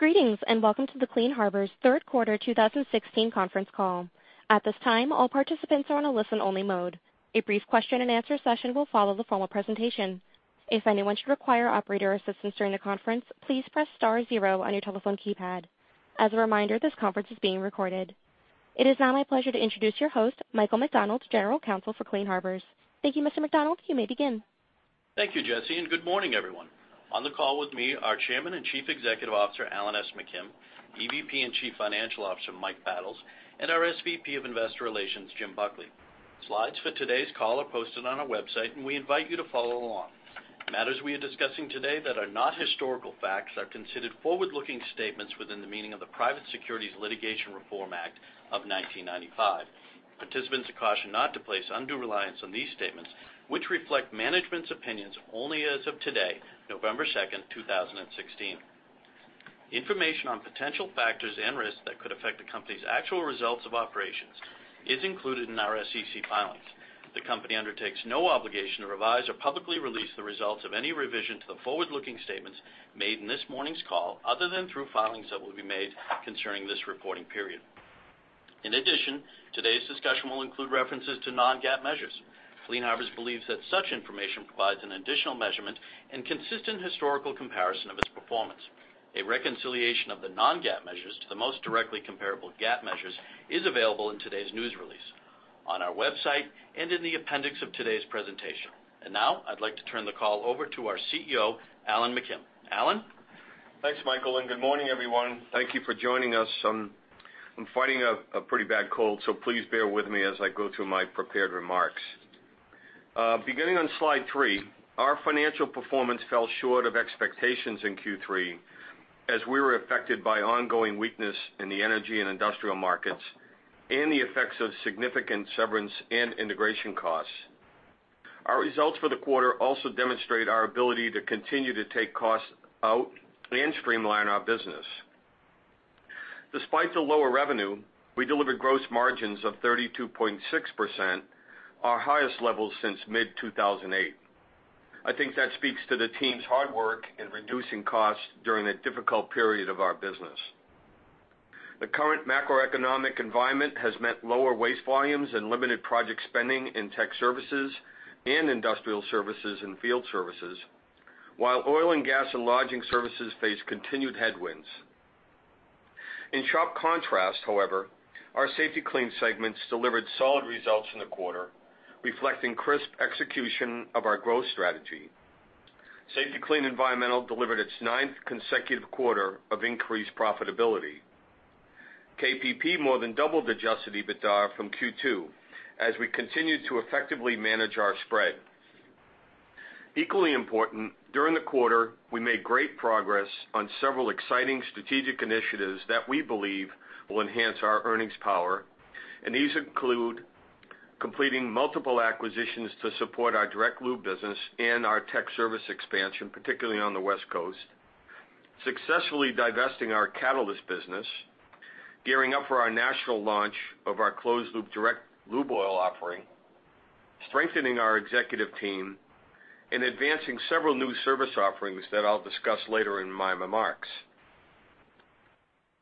Greetings, and welcome to the Clean Harbors third quarter 2016 conference call. At this time, all participants are on a listen-only mode. A brief question-and-answer session will follow the formal presentation. If anyone should require operator assistance during the conference, please press star zero on your telephone keypad. As a reminder, this conference is being recorded. It is now my pleasure to introduce your host, Michael McDonald, General Counsel for Clean Harbors. Thank you, Mr. McDonald. You may begin. Thank you, Jesse, and good morning, everyone. On the call with me are Chairman and Chief Executive Officer Alan S. McKim, EVP and Chief Financial Officer Mike Battles, and our SVP of Investor Relations Jim Buckley. Slides for today's call are posted on our website, and we invite you to follow along. Matters we are discussing today that are not historical facts are considered forward-looking statements within the meaning of the Private Securities Litigation Reform Act of 1995. Participants are cautioned not to place undue reliance on these statements, which reflect management's opinions only as of today, November 2, 2016. Information on potential factors and risks that could affect the company's actual results of operations is included in our SEC filings. The company undertakes no obligation to revise or publicly release the results of any revision to the forward-looking statements made in this morning's call, other than through filings that will be made concerning this reporting period. In addition, today's discussion will include references to non-GAAP measures. Clean Harbors believes that such information provides an additional measurement and consistent historical comparison of its performance. A reconciliation of the non-GAAP measures to the most directly comparable GAAP measures is available in today's news release, on our website, and in the appendix of today's presentation. Now, I'd like to turn the call over to our CEO, Alan McKim. Alan? Thanks, Michael, and good morning, everyone. Thank you for joining us. I'm fighting a pretty bad cold, so please bear with me as I go through my prepared remarks. Beginning on slide 3, our financial performance fell short of expectations in Q3, as we were affected by ongoing weakness in the energy and industrial markets and the effects of significant severance and integration costs. Our results for the quarter also demonstrate our ability to continue to take costs out and streamline our business. Despite the lower revenue, we delivered gross margins of 32.6%, our highest level since mid-2008. I think that speaks to the team's hard work in reducing costs during a difficult period of our business. The current macroeconomic environment has meant lower waste volumes and limited project spending in Tech Services and Industrial Services and Field Services, while Oil and Gas and Lodging Services face continued headwinds. In sharp contrast, however, our Safety-Kleen segments delivered solid results in the quarter, reflecting crisp execution of our growth strategy. Safety-Kleen Environmental delivered its ninth consecutive quarter of increased profitability. KPP more than doubled Adjusted EBITDA from Q2 as we continued to effectively manage our spread. Equally important, during the quarter, we made great progress on several exciting strategic initiatives that we believe will enhance our earnings power, and these include completing multiple acquisitions to support our direct lube business and our Tech Service expansion, particularly on the West Coast, successfully divesting our catalyst business, gearing up for our national launch of our closed loop direct lube oil offering, strengthening our executive team, and advancing several new service offerings that I'll discuss later in my remarks.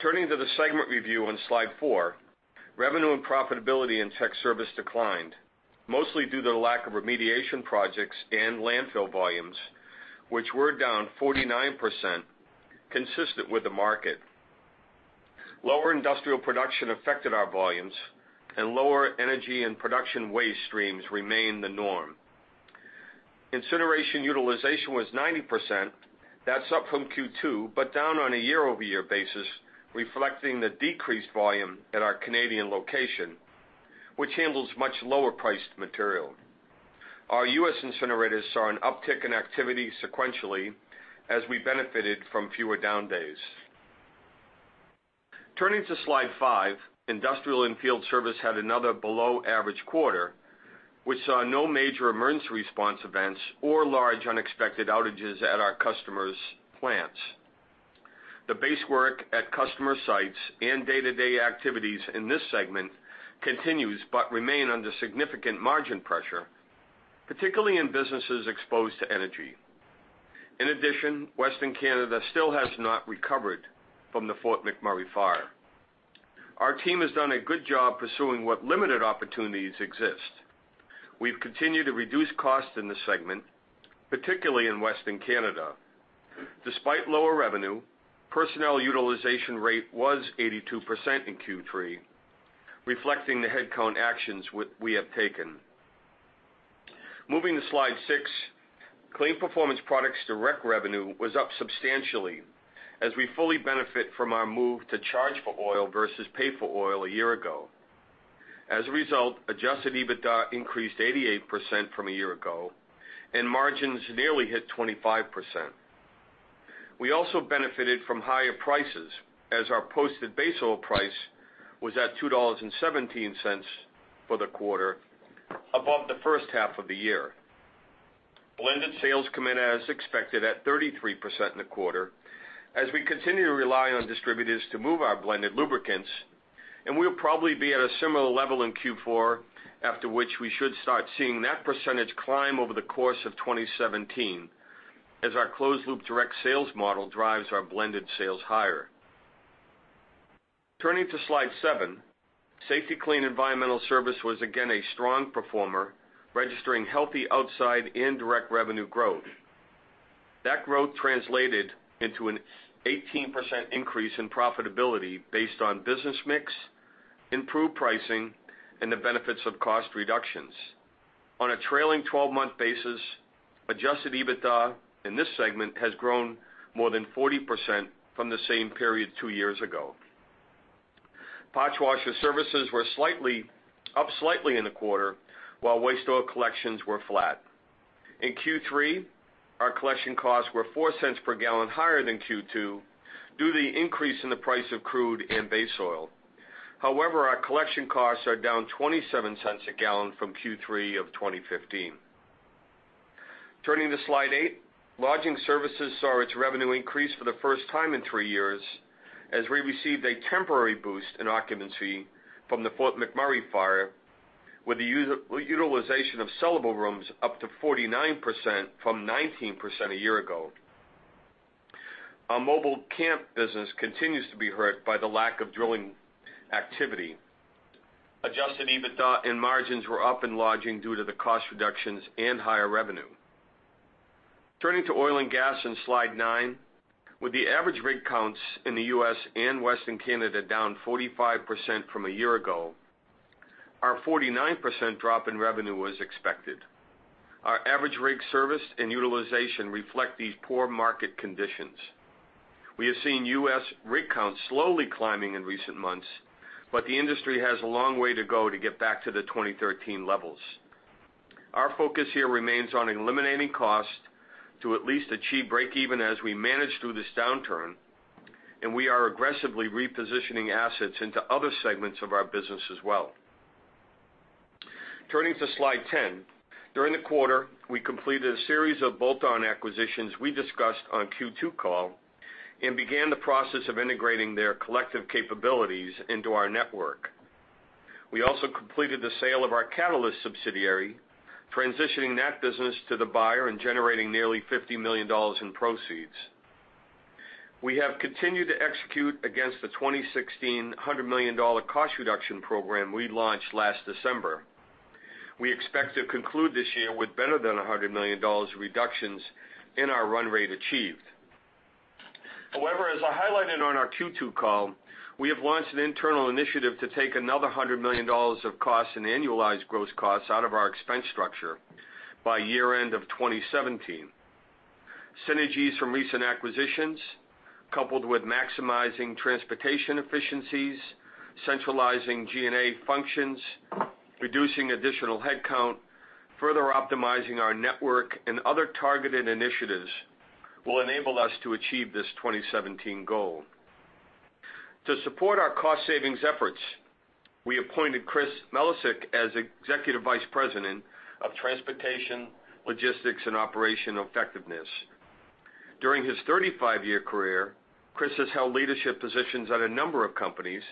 Turning to the segment review on slide 4, revenue and profitability in Tech Service declined, mostly due to the lack of remediation projects and landfill volumes, which were down 49%, consistent with the market. Lower industrial production affected our volumes, and lower energy and production waste streams remained the norm. Incineration utilization was 90%. That's up from Q2, but down on a year-over-year basis, reflecting the decreased volume at our Canadian location, which handles much lower priced material. Our U.S. incinerators saw an uptick in activity sequentially, as we benefited from fewer down days. Turning to slide 5, Industrial and Field Service had another below-average quarter, which saw no major emergency response events or large, unexpected outages at our customers' plants. The base work at customer sites and day-to-day activities in this segment continues, but remain under significant margin pressure, particularly in businesses exposed to energy. In addition, Western Canada still has not recovered from the Fort McMurray fire. Our team has done a good job pursuing what limited opportunities exist. We've continued to reduce costs in the segment, particularly in Western Canada. Despite lower revenue, personnel utilization rate was 82% in Q3, reflecting the head count actions we have taken. Moving to slide 6, Kleen Performance Products direct revenue was up substantially as we fully benefit from our move to charge for oil versus pay for oil a year ago. As a result, adjusted EBITDA increased 88% from a year ago, and margins nearly hit 25%. We also benefited from higher prices, as our posted base oil price was at $2.17 for the quarter, above the first half of the year. Blended sales come in as expected, at 33% in the quarter, as we continue to rely on distributors to move our blended lubricants, and we'll probably be at a similar level in Q4, after which we should start seeing that percentage climb over the course of 2017, as our closed loop direct sales model drives our blended sales higher. Turning to slide 7, Safety-Kleen Environmental Services was again a strong performer, registering healthy organic and direct revenue growth. That growth translated into an 18% increase in profitability based on business mix, improved pricing, and the benefits of cost reductions. On a trailing 12-month basis, adjusted EBITDA in this segment has grown more than 40% from the same period 2 years ago. Parts washer services were slightly up in the quarter, while waste oil collections were flat. In Q3, our collection costs were $0.04 per gallon higher than Q2, due to the increase in the price of crude and base oil. However, our collection costs are down $0.27 a gallon from Q3 of 2015. Turning to slide 8, Lodging Services saw its revenue increase for the first time in 3 years, as we received a temporary boost in occupancy from the Fort McMurray fire, with the utilization of sellable rooms up to 49% from 19% a year ago. Our mobile camp business continues to be hurt by the lack of drilling activity. Adjusted EBITDA and margins were up in Lodging due to the cost reductions and higher revenue. Turning to Oil and Gas on slide 9, with the average rig counts in the U.S. and Western Canada down 45% from a year ago, our 49% drop in revenue was expected. Our average rig service and utilization reflect these poor market conditions. We have seen U.S. rig counts slowly climbing in recent months, but the industry has a long way to go to get back to the 2013 levels. Our focus here remains on eliminating costs to at least achieve breakeven as we manage through this downturn, and we are aggressively repositioning assets into other segments of our business as well. Turning to slide 10, during the quarter, we completed a series of bolt-on acquisitions we discussed on Q2 call and began the process of integrating their collective capabilities into our network. We also completed the sale of our Catalyst subsidiary, transitioning that business to the buyer and generating nearly $50 million in proceeds. We have continued to execute against the 2016 $100 million cost reduction program we launched last December. We expect to conclude this year with better than $100 million reductions in our run rate achieved. However, as I highlighted on our Q2 call, we have launched an internal initiative to take another $100 million of costs and annualized gross costs out of our expense structure by year-end of 2017. Synergies from recent acquisitions, coupled with maximizing transportation efficiencies, centralizing G&A functions, reducing additional headcount, further optimizing our network and other targeted initiatives, will enable us to achieve this 2017 goal. To support our cost savings efforts, we appointed Chris Melisek as Executive Vice President of Transportation, Logistics, and Operational Effectiveness. During his 35-year career, Chris has held leadership positions at a number of companies,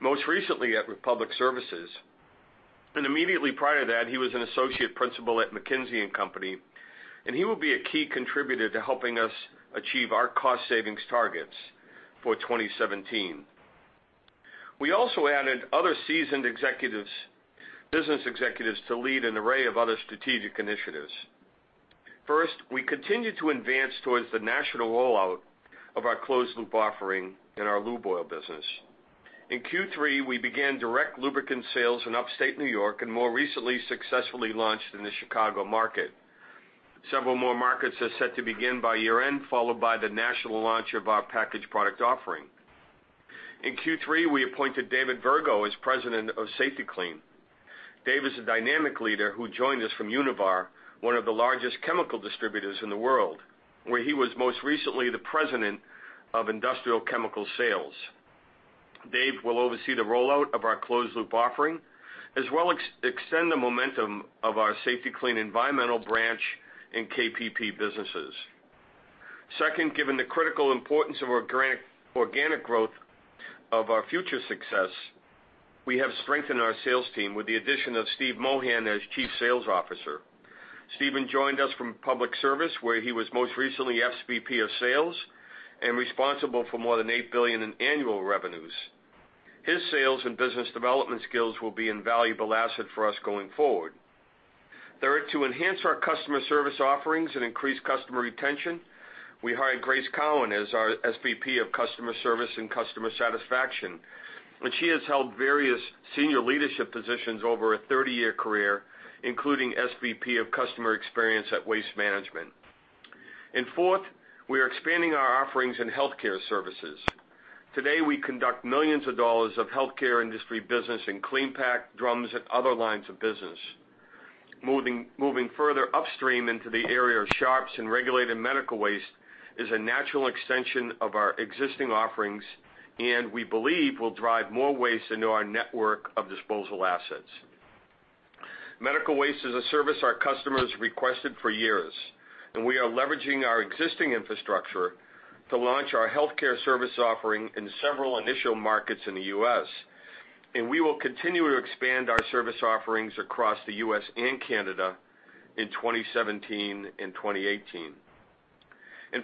most recently at Republic Services, and immediately prior to that, he was an associate principal at McKinsey & Company, and he will be a key contributor to helping us achieve our cost savings targets for 2017. We also added other seasoned executives, business executives, to lead an array of other strategic initiatives. First, we continued to advance towards the national rollout of our closed loop offering in our lube oil business. In Q3, we began direct lubricant sales in upstate New York, and more recently, successfully launched in the Chicago market. Several more markets are set to begin by year-end, followed by the national launch of our packaged product offering. In Q3, we appointed David Vergo as President of Safety-Kleen. Dave is a dynamic leader who joined us from Univar, one of the largest chemical distributors in the world, where he was most recently the President of Industrial Chemical Sales. Dave will oversee the rollout of our closed loop offering, as well as extend the momentum of our Safety-Kleen Environmental branch and KPP businesses. Second, given the critical importance of our organic growth of our future success, we have strengthened our sales team with the addition of Steve Mohan as Chief Sales Officer. Steve joined us from Republic Services, where he was most recently SVP of Sales and responsible for more than $8 billion in annual revenues. His sales and business development skills will be invaluable asset for us going forward. Third, to enhance our customer service offerings and increase customer retention, we hired Grace Cowan as our SVP of Customer Service and Customer Satisfaction, and she has held various senior leadership positions over a 30-year career, including SVP of Customer Experience at Waste Management. And fourth, we are expanding our offerings in healthcare services. Today, we conduct millions of dollars of healthcare industry business in CleanPack, drums, and other lines of business. Moving further upstream into the area of sharps and regulated medical waste is a natural extension of our existing offerings, and we believe will drive more waste into our network of disposal assets. Medical waste is a service our customers requested for years, and we are leveraging our existing infrastructure to launch our healthcare service offering in several initial markets in the U.S. We will continue to expand our service offerings across the U.S. and Canada in 2017 and 2018.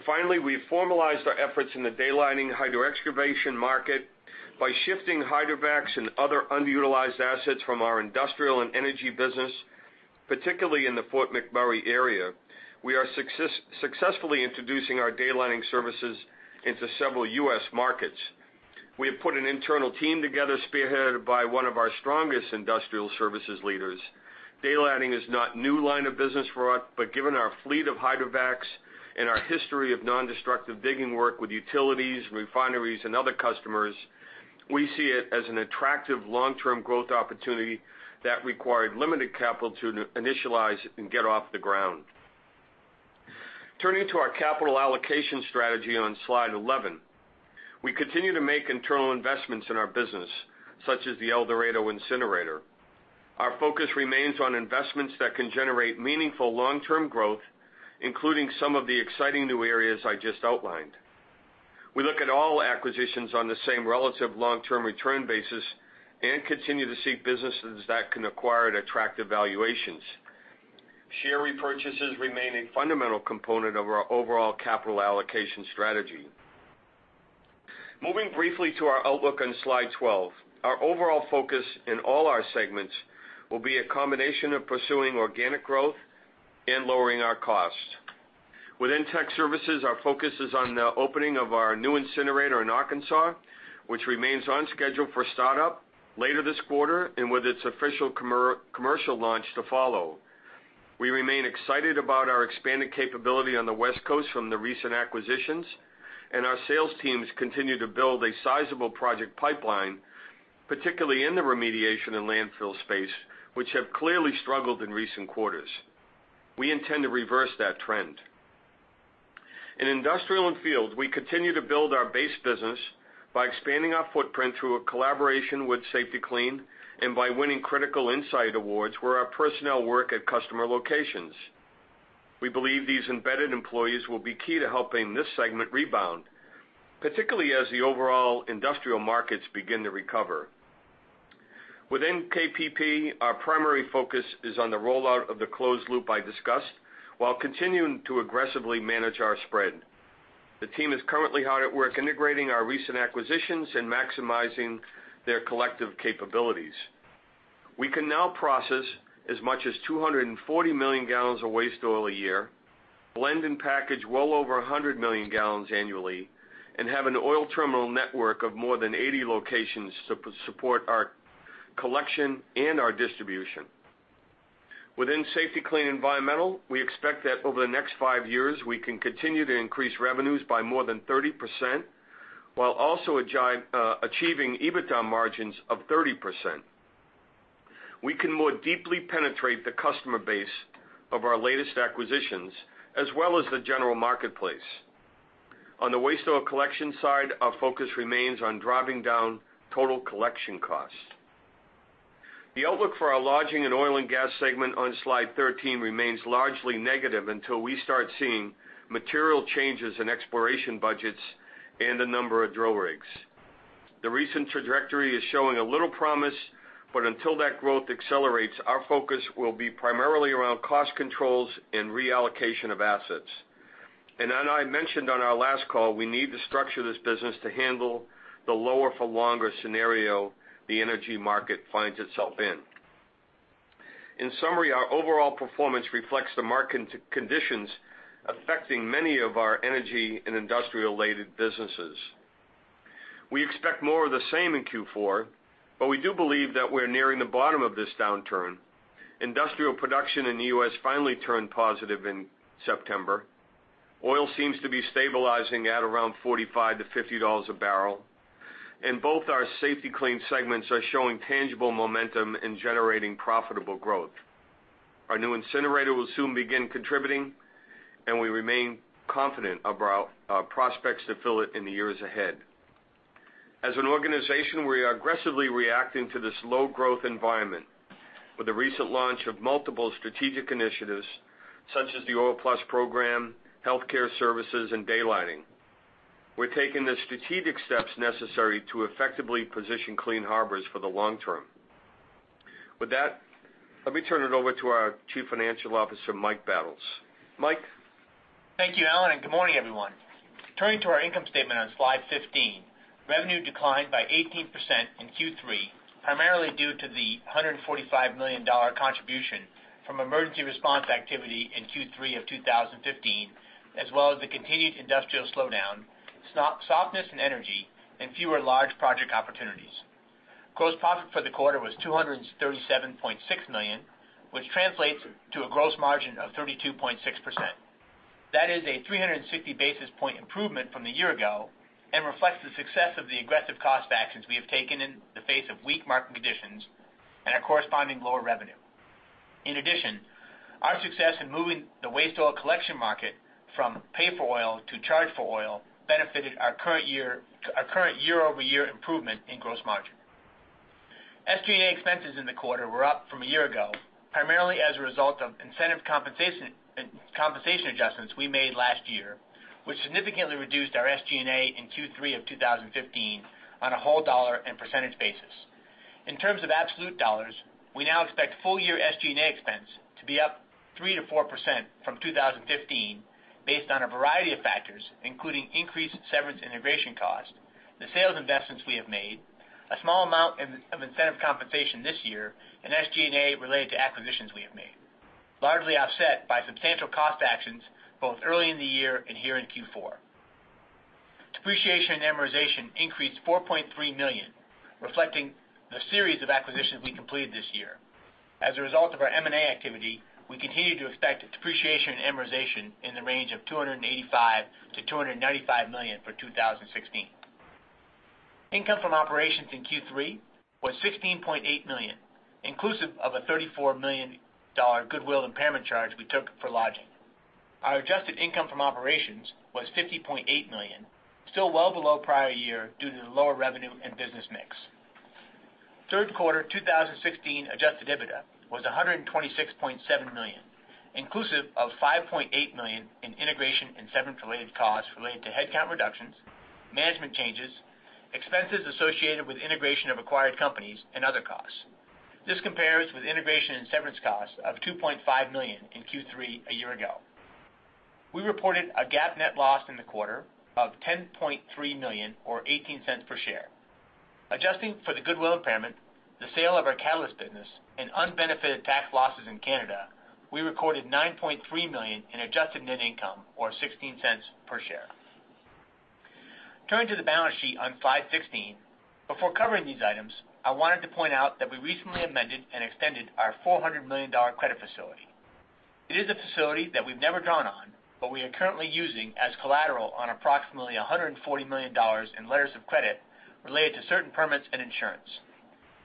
Finally, we've formalized our efforts in the daylighting hydro excavation market by shifting hydrovacs and other underutilized assets from our industrial and energy business, particularly in the Fort McMurray area. We are successfully introducing our daylighting services into several U.S. markets. We have put an internal team together, spearheaded by one of our strongest industrial services leaders. Daylighting is not new line of business for us, but given our fleet of hydrovacs and our history of nondestructive digging work with utilities, refineries, and other customers, we see it as an attractive long-term growth opportunity that required limited capital to initialize and get off the ground. Turning to our capital allocation strategy on slide 11, we continue to make internal investments in our business, such as the El Dorado incinerator. Our focus remains on investments that can generate meaningful long-term growth, including some of the exciting new areas I just outlined. We look at all acquisitions on the same relative long-term return basis and continue to seek businesses that can acquire at attractive valuations. Share repurchases remain a fundamental component of our overall capital allocation strategy. Moving briefly to our outlook on slide 12. Our overall focus in all our segments will be a combination of pursuing organic growth and lowering our costs. Within Tech Services, our focus is on the opening of our new incinerator in Arkansas, which remains on schedule for startup later this quarter, and with its official commercial launch to follow. We remain excited about our expanded capability on the West Coast from the recent acquisitions, and our sales teams continue to build a sizable project pipeline, particularly in the remediation and landfill space, which have clearly struggled in recent quarters. We intend to reverse that trend. In industrial and field, we continue to build our base business by expanding our footprint through a collaboration with Safety-Kleen and by winning critical insight awards, where our personnel work at customer locations. We believe these embedded employees will be key to helping this segment rebound, particularly as the overall industrial markets begin to recover. Within KPP, our primary focus is on the rollout of the closed loop I discussed, while continuing to aggressively manage our spread. The team is currently hard at work integrating our recent acquisitions and maximizing their collective capabilities. We can now process as much as 240 million gallons of waste oil a year, blend and package well over 100 million gallons annually, and have an oil terminal network of more than 80 locations to support our collection and our distribution. Within Safety-Kleen Environmental, we expect that over the next five years, we can continue to increase revenues by more than 30%, while also achieving EBITDA margins of 30%. We can more deeply penetrate the customer base of our latest acquisitions, as well as the general marketplace. On the waste oil collection side, our focus remains on driving down total collection costs. The outlook for our Lodging and Oil and Gas segment on slide 13 remains largely negative until we start seeing material changes in exploration budgets and the number of drill rigs. The recent trajectory is showing a little promise, but until that growth accelerates, our focus will be primarily around cost controls and reallocation of assets. And as I mentioned on our last call, we need to structure this business to handle the lower-for-longer scenario the energy market finds itself in. In summary, our overall performance reflects the market conditions affecting many of our energy and industrial-related businesses. We expect more of the same in Q4, but we do believe that we're nearing the bottom of this downturn. Industrial production in the U.S. finally turned positive in September. Oil seems to be stabilizing at around $45-$50 a barrel, and both our Safety-Kleen segments are showing tangible momentum in generating profitable growth. Our new incinerator will soon begin contributing, and we remain confident about prospects to fill it in the years ahead. As an organization, we are aggressively reacting to this low growth environment with the recent launch of multiple strategic initiatives, such as the OilPlus program, healthcare services, and daylighting. We're taking the strategic steps necessary to effectively position Clean Harbors for the long term. With that, let me turn it over to our Chief Financial Officer, Mike Battles. Mike? Thank you, Alan, and good morning, everyone. Turning to our income statement on slide 15, revenue declined by 18% in Q3, primarily due to the $145 million contribution from emergency response activity in Q3 of 2015, as well as the continued industrial slowdown, softness in energy, and fewer large project opportunities. Gross profit for the quarter was $237.6 million, which translates to a gross margin of 32.6%. That is a 360 basis point improvement from the year-ago and reflects the success of the aggressive cost actions we have taken in the face of weak market conditions and a corresponding lower revenue. In addition, our success in moving the waste oil collection market from pay for oil to charge for oil benefited our current year, our current year-over-year improvement in gross margin. SG&A expenses in the quarter were up from a year ago, primarily as a result of incentive compensation and compensation adjustments we made last year, which significantly reduced our SG&A in Q3 of 2015 on a whole dollar and percentage basis. In terms of absolute dollars, we now expect full year SG&A expense to be up 3%-4% from 2015, based on a variety of factors, including increased severance integration costs, the sales investments we have made, a small amount of incentive compensation this year, and SG&A related to acquisitions we have made, largely offset by substantial cost actions, both early in the year and here in Q4. Depreciation and amortization increased $4.3 million, reflecting the series of acquisitions we completed this year. As a result of our M&A activity, we continue to expect depreciation and amortization in the range of $285-295 million for 2016. Income from operations in Q3 was $16.8 million, inclusive of a $34 million goodwill impairment charge we took for Lodging. Our adjusted income from operations was $50.8 million, still well below prior year due to the lower revenue and business mix. Third quarter 2016 adjusted EBITDA was $126.7 million, inclusive of $5.8 million in integration and severance-related costs related to headcount reductions, management changes, expenses associated with integration of acquired companies and other costs. This compares with integration and severance costs of $2.5 million in Q3 a year ago. We reported a GAAP net loss in the quarter of $10.3 million, or $0.18 per share. Adjusting for the goodwill impairment, the sale of our catalyst business, and unbenefited tax losses in Canada, we recorded $9.3 million in adjusted net income or $0.16 per share. Turning to the balance sheet on slide 16. Before covering these items, I wanted to point out that we recently amended and extended our $400 million credit facility. It is a facility that we've never drawn on, but we are currently using as collateral on approximately $140 million in letters of credit related to certain permits and insurance.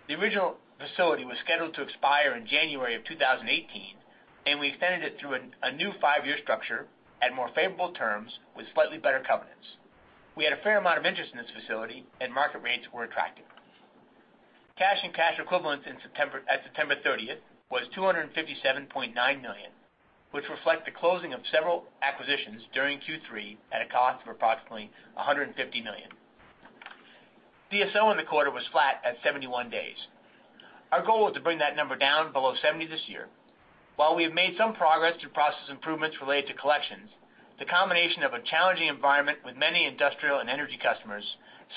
The original facility was scheduled to expire in January of 2018, and we extended it through a new five-year structure at more favorable terms with slightly better covenants. We had a fair amount of interest in this facility, and market rates were attractive. Cash and cash equivalents in September at September 30 was $257.9 million, which reflect the closing of several acquisitions during Q3 at a cost of approximately $150 million. DSO in the quarter was flat at 71 days. Our goal was to bring that number down below 70 this year. While we have made some progress through process improvements related to collections, the combination of a challenging environment with many industrial and energy customers,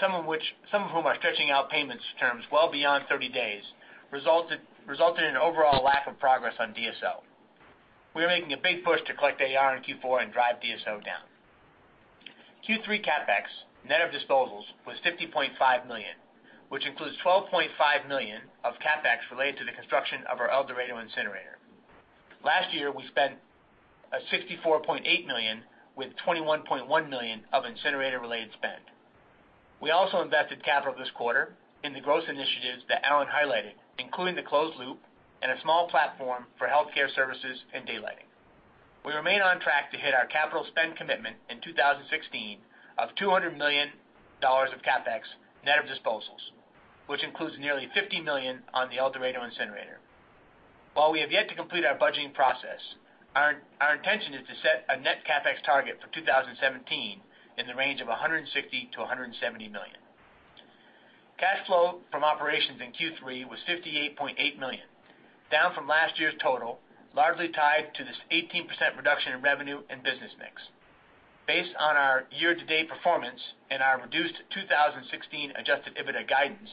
some of which, some of whom are stretching out payments terms well beyond 30 days, resulted in an overall lack of progress on DSO. We are making a big push to collect AR in Q4 and drive DSO down. Q3 CapEx, net of disposals, was $50.5 million, which includes $12.5 million of CapEx related to the construction of our El Dorado incinerator. Last year, we spent $64.8 million, with $21.1 million of incinerator-related spend. We also invested capital this quarter in the growth initiatives that Alan highlighted, including the closed loop and a small platform for healthcare services and daylighting. We remain on track to hit our capital spend commitment in 2016 of $200 million of CapEx, net of disposals, which includes nearly $50 million on the El Dorado incinerator. While we have yet to complete our budgeting process, our intention is to set a net CapEx target for 2017 in the range of $160 million-$170 million. Cash flow from operations in Q3 was $58.8 million, down from last year's total, largely tied to this 18% reduction in revenue and business mix. Based on our year-to-date performance and our reduced 2016 adjusted EBITDA guidance,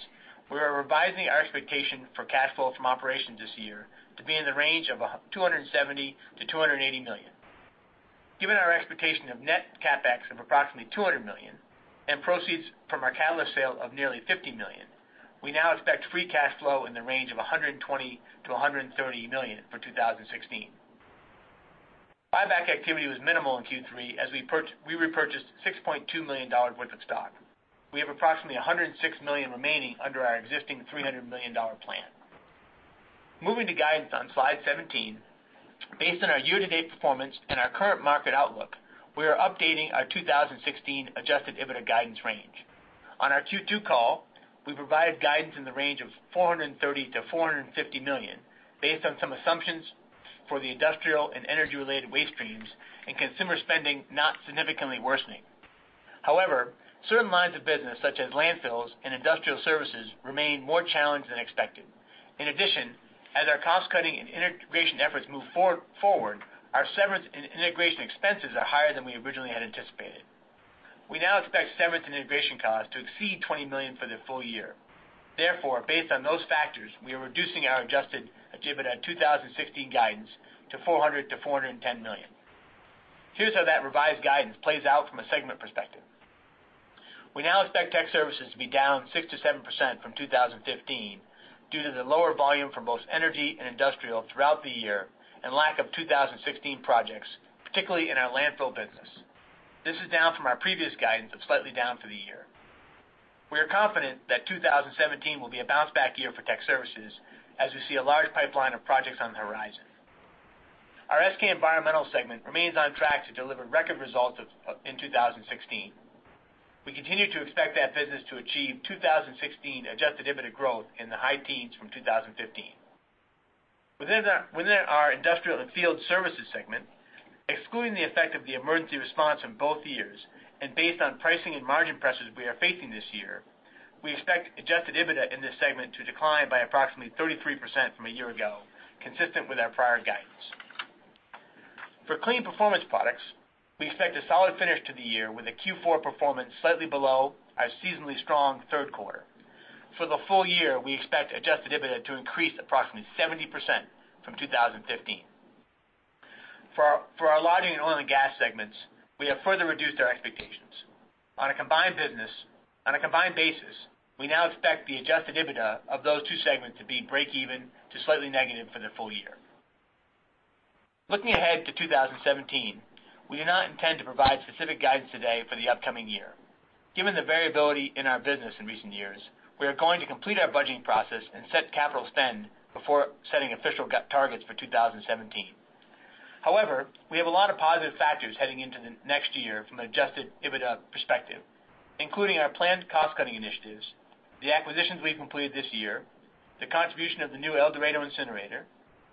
we are revising our expectation for cash flow from operations this year to be in the range of $270 million-$280 million. Given our expectation of net CapEx of approximately $200 million and proceeds from our catalyst sale of nearly $50 million, we now expect free cash flow in the range of $120 million-$130 million for 2016. Buyback activity was minimal in Q3, as we repurchased $6.2 million worth of stock. We have approximately $106 million remaining under our existing $300 million plan. Moving to guidance on slide 17. Based on our year-to-date performance and our current market outlook, we are updating our 2016 Adjusted EBITDA guidance range. On our Q2 call, we provided guidance in the range of $430 million-$450 million, based on some assumptions for the industrial and energy-related waste streams and consumer spending not significantly worsening. However, certain lines of business, such as landfills and industrial services, remain more challenged than expected. In addition, as our cost-cutting and integration efforts move forward, our severance and integration expenses are higher than we originally had anticipated. We now expect severance and integration costs to exceed $20 million for the full year. Therefore, based on those factors, we are reducing our Adjusted EBITDA 2016 guidance to $400 million-$410 million. Here's how that revised guidance plays out from a segment perspective. We now expect Tech Services to be down 6%-7% from 2015 due to the lower volume for both energy and industrial throughout the year and lack of 2016 projects, particularly in our landfill business. This is down from our previous guidance of slightly down for the year. We are confident that 2017 will be a bounce back year for Tech Services, as we see a large pipeline of projects on the horizon. Our SK Environmental segment remains on track to deliver record results of, in 2016. We continue to expect that business to achieve 2016 Adjusted EBITDA growth in the high teens from 2015. Within our Industrial and Field Services segment, excluding the effect of the emergency response in both years, and based on pricing and margin pressures we are facing this year, we expect Adjusted EBITDA in this segment to decline by approximately 33% from a year ago, consistent with our prior guidance. For Kleen Performance Products, we expect a solid finish to the year with a Q4 performance slightly below our seasonally strong third quarter. For the full year, we expect Adjusted EBITDA to increase approximately 70% from 2015. For our Logistics and Oil and Gas segments, we have further reduced our expectations. On a combined basis, we now expect the Adjusted EBITDA of those two segments to be breakeven to slightly negative for the full year. Looking ahead to 2017, we do not intend to provide specific guidance today for the upcoming year. Given the variability in our business in recent years, we are going to complete our budgeting process and set capital spend before setting official guidance targets for 2017. However, we have a lot of positive factors heading into the next year from an Adjusted EBITDA perspective, including our planned cost-cutting initiatives, the acquisitions we've completed this year, the contribution of the new El Dorado incinerator,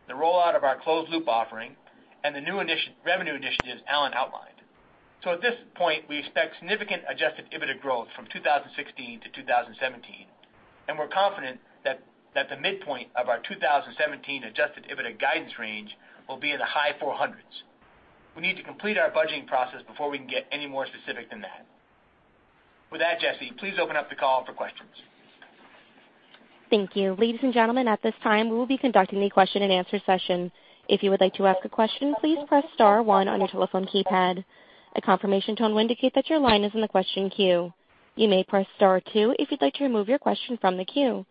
the rollout of our closed loop offering, and the new revenue initiatives Alan outlined. So at this point, we expect significant Adjusted EBITDA growth from 2016 to 2017, and we're confident that the midpoint of our 2017 Adjusted EBITDA guidance range will be in the high 400s. We need to complete our budgeting process before we can get any more specific than that. With that, Jesse, please open up the call for questions. Thank you. Ladies and gentlemen, at this time, we will be conducting a question-and-answer session. If you would like to ask a question, please press star one on your telephone keypad. A confirmation tone will indicate that your line is in the question queue. You may press star two if you'd like to remove your question from the queue.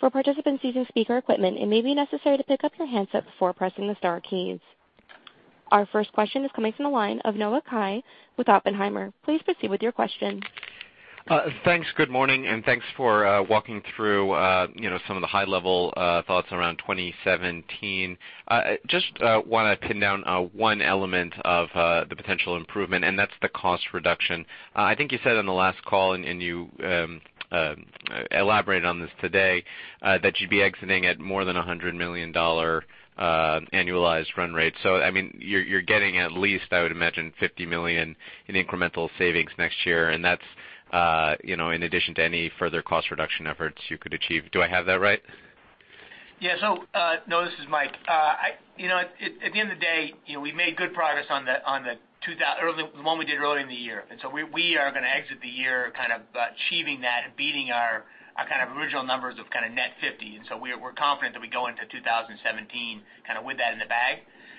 For participants using speaker equipment, it may be necessary to pick up your handset before pressing the star keys. Our first question is coming from the line of Noah Kaye with Oppenheimer. Please proceed with your question. Thanks. Good morning, and thanks for walking through, you know, some of the high level thoughts around 2017. Just want to pin down one element of the potential improvement, and that's the cost reduction. I think you said on the last call, and you elaborated on this today, that you'd be exiting at more than $100 million annualized run rate. So I mean, you're getting at least, I would imagine, $50 million in incremental savings next year, and that's, you know, in addition to any further cost reduction efforts you could achieve. Do I have that right? Yeah. So, Noah, this is Mike. You know, at the end of the day, you know, we made good progress on the one we did earlier in the year. We are gonna exit the year kind of achieving that and beating our kind of original numbers of kind of net 50. We're confident that we go into 2017, kind of with that in the bag.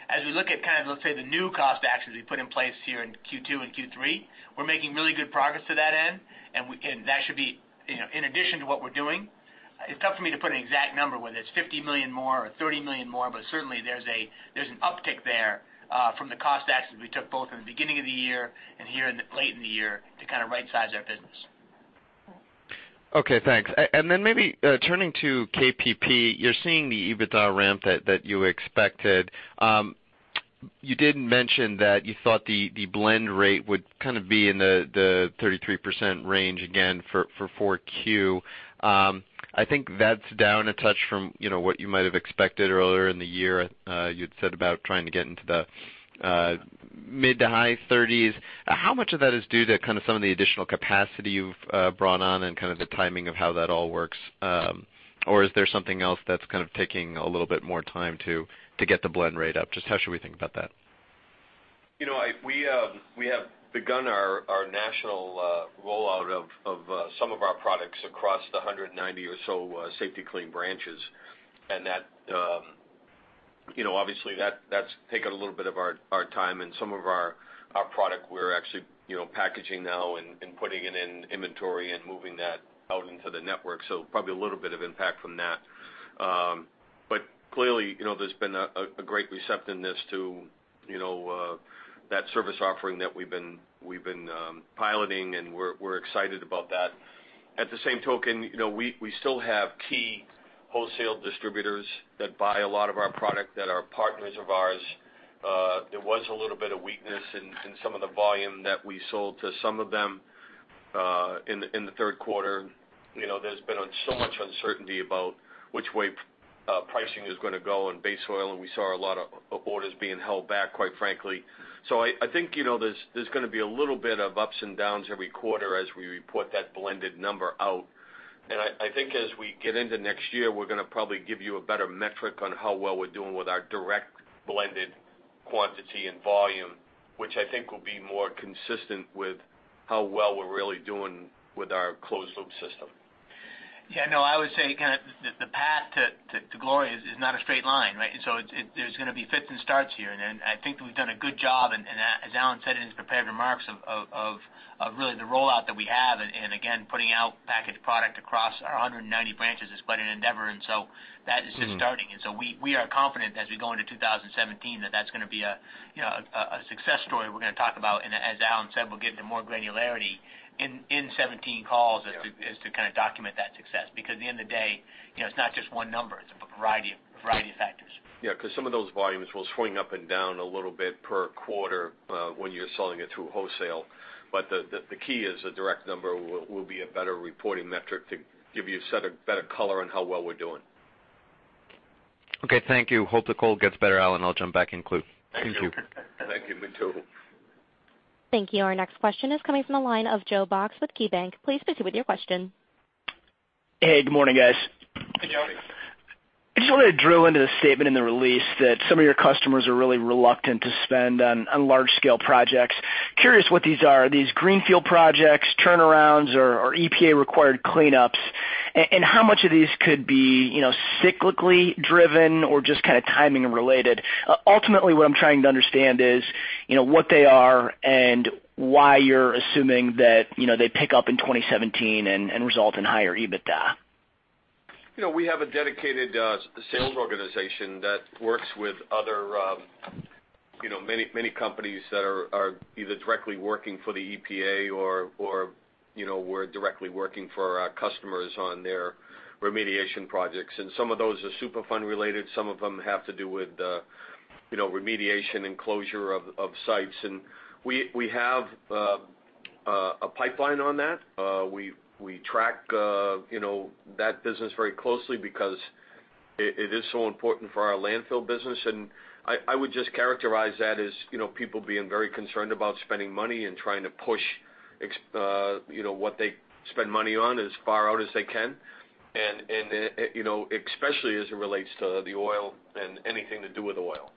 As we look at kind of, let's say, the new cost actions we put in place here in Q2 and Q3, we're making really good progress to that end, and that should be, you know, in addition to what we're doing. It's tough for me to put an exact number whether it's $50 million more or $30 million more, but certainly there's an uptick there from the cost actions we took, both in the beginning of the year and here in the late in the year, to kind of rightsize our business. Okay, thanks. And then maybe turning to KPP, you're seeing the EBITDA ramp that you expected. You did mention that you thought the blend rate would kind of be in the 33% range again for 4Q. I think that's down a touch from, you know, what you might have expected earlier in the year. You'd said about trying to get into the mid- to high 30s. How much of that is due to kind of some of the additional capacity you've brought on and kind of the timing of how that all works? Or is there something else that's kind of taking a little bit more time to get the blend rate up? Just how should we think about that? You know, I -- we have begun our national rollout of some of our products across the 190 or so Safety-Kleen branches. And that, you know, obviously, that's taken a little bit of our time and some of our product we're actually, you know, packaging now and putting it in inventory and moving that out into the network. So probably a little bit of impact from that. But clearly, you know, there's been a great receptiveness to, you know, that service offering that we've been piloting, and we're excited about that. At the same token, you know, we still have key wholesale distributors that buy a lot of our product that are partners of ours. There was a little bit of weakness in some of the volume that we sold to some of them in the third quarter. You know, there's been so much uncertainty about which way pricing is gonna go on base oil, and we saw a lot of orders being held back, quite frankly. So I think, you know, there's gonna be a little bit of ups and downs every quarter as we report that blended number out. And I think as we get into next year, we're gonna probably give you a better metric on how well we're doing with our direct blended quantity and volume, which I think will be more consistent with how well we're really doing with our closed loop system. Yeah, no, I would say kind of the path to glory is not a straight line, right? So it's, there's gonna be fits and starts here, and then I think we've done a good job, and as Alan said in his prepared remarks of really the rollout that we have, and again, putting out packaged product across our 190 branches is quite an endeavor, and so that is just starting. And so we are confident as we go into 2017, that that's gonna be a, you know, a success story we're gonna talk about. And as Alan said, we'll get into more granularity in 2017 calls- Yeah... as to kind of document that success. Because at the end of the day, you know, it's not just one number, it's a variety of numbers.... Yeah, 'cause some of those volumes will swing up and down a little bit per quarter when you're selling it through wholesale. But the key is a direct number will be a better reporting metric to give you a set of better color on how well we're doing. Okay, thank you. Hope the cold gets better, Alan. I'll jump back in queue. Thank you. Thank you. Me too. Thank you. Our next question is coming from the line of Joe Box with KeyBank. Please proceed with your question. Hey, good morning, guys. Hey, Joe. I just wanted to drill into the statement in the release that some of your customers are really reluctant to spend on large scale projects. Curious what these are, are these greenfield projects, turnarounds, or EPA-required cleanups? And how much of these could be, you know, cyclically driven or just kind of timing related? Ultimately, what I'm trying to understand is, you know, what they are and why you're assuming that, you know, they pick up in 2017 and result in higher EBITDA. You know, we have a dedicated sales organization that works with other, you know, many, many companies that are either directly working for the EPA or, you know, we're directly working for our customers on their remediation projects. And some of those are Superfund related. Some of them have to do with, you know, remediation and closure of sites. And we have a pipeline on that. We track, you know, that business very closely because it is so important for our landfill business. And I would just characterize that as, you know, people being very concerned about spending money and trying to push, you know, what they spend money on as far out as they can. And, you know, especially as it relates to the oil and anything to do with oil.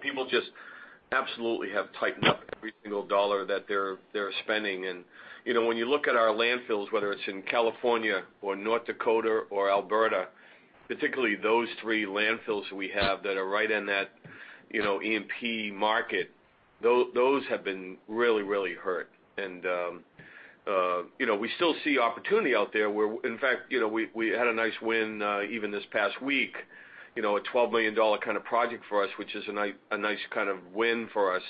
People just absolutely have tightened up every single dollar that they're spending. You know, when you look at our landfills, whether it's in California or North Dakota or Alberta, particularly those three landfills we have that are right in that, you know, E&P market, those have been really, really hurt. You know, we still see opportunity out there, where in fact, you know, we had a nice win even this past week, you know, a $12 million kind of project for us, which is a nice kind of win for us.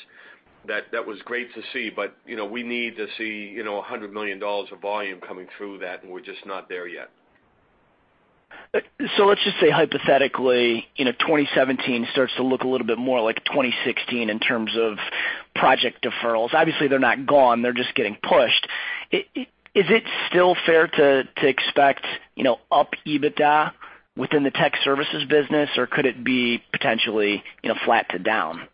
That was great to see, but, you know, we need to see, you know, $100 million of volume coming through that, and we're just not there yet. So let's just say hypothetically, you know, 2017 starts to look a little bit more like 2016 in terms of project deferrals. Obviously, they're not gone, they're just getting pushed. Is it still fair to expect, you know, up EBITDA within the Tech Services business, or could it be potentially, you know, flat to down?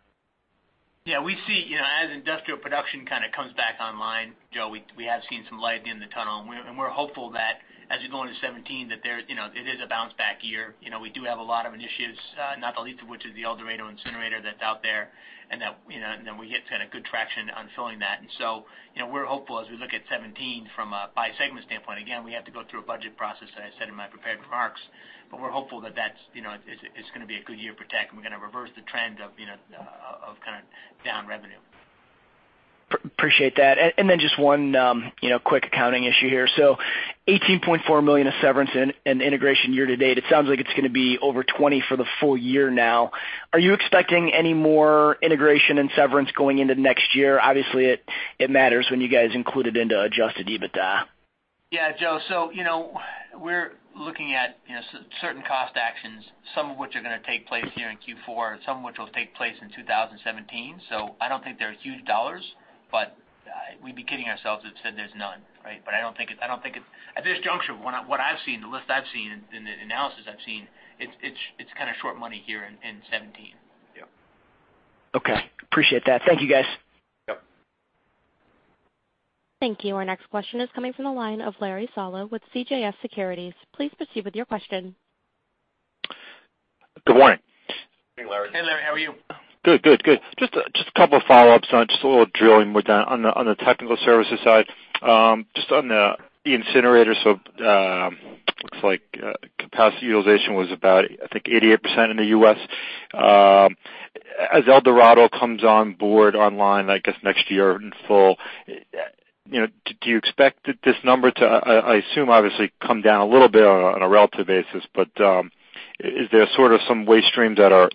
Yeah, we see, you know, as industrial production kind of comes back online, Joe, we, we have seen some light in the tunnel. And we're, and we're hopeful that as you go into 2017, that there, you know, it is a bounce back year. You know, we do have a lot of initiatives, not the least of which is the El Dorado incinerator that's out there, and that, you know, and then we get kind of good traction on filling that. And so, you know, we're hopeful as we look at 2017 from a by segment standpoint. Again, we have to go through a budget process, as I said in my prepared remarks, but we're hopeful that that's, you know, it's, it's gonna be a good year for tech, and we're gonna reverse the trend of, you know, of, kind of down revenue. Appreciate that. And then just one, you know, quick accounting issue here. So $18.4 million of severance and integration year to date, it sounds like it's gonna be over $20 million for the full year now. Are you expecting any more integration and severance going into next year? Obviously, it matters when you guys include it into Adjusted EBITDA. Yeah, Joe. So, you know, we're looking at, you know, certain cost actions, some of which are gonna take place here in Q4, some of which will take place in 2017. So I don't think they're huge dollars, but we'd be kidding ourselves if we said there's none, right? But I don't think it... At this juncture, what I've seen, the list I've seen and the analysis I've seen, it's kind of short money here in 2017. Yeah. Okay, appreciate that. Thank you, guys. Yep. Thank you. Our next question is coming from the line of Larry Solow with CJS Securities. Please proceed with your question. Good morning. Hey, Larry. Hey, Larry, how are you? Good, good, good. Just a couple of follow-ups on, just a little drilling on the technical services side. Just on the incinerator, so, looks like capacity utilization was about, I think, 88% in the U.S. As El Dorado comes on board online, I guess, next year in full, you know, do you expect that this number to, I assume, obviously come down a little bit on a relative basis, but, is there sort of some waste streams that are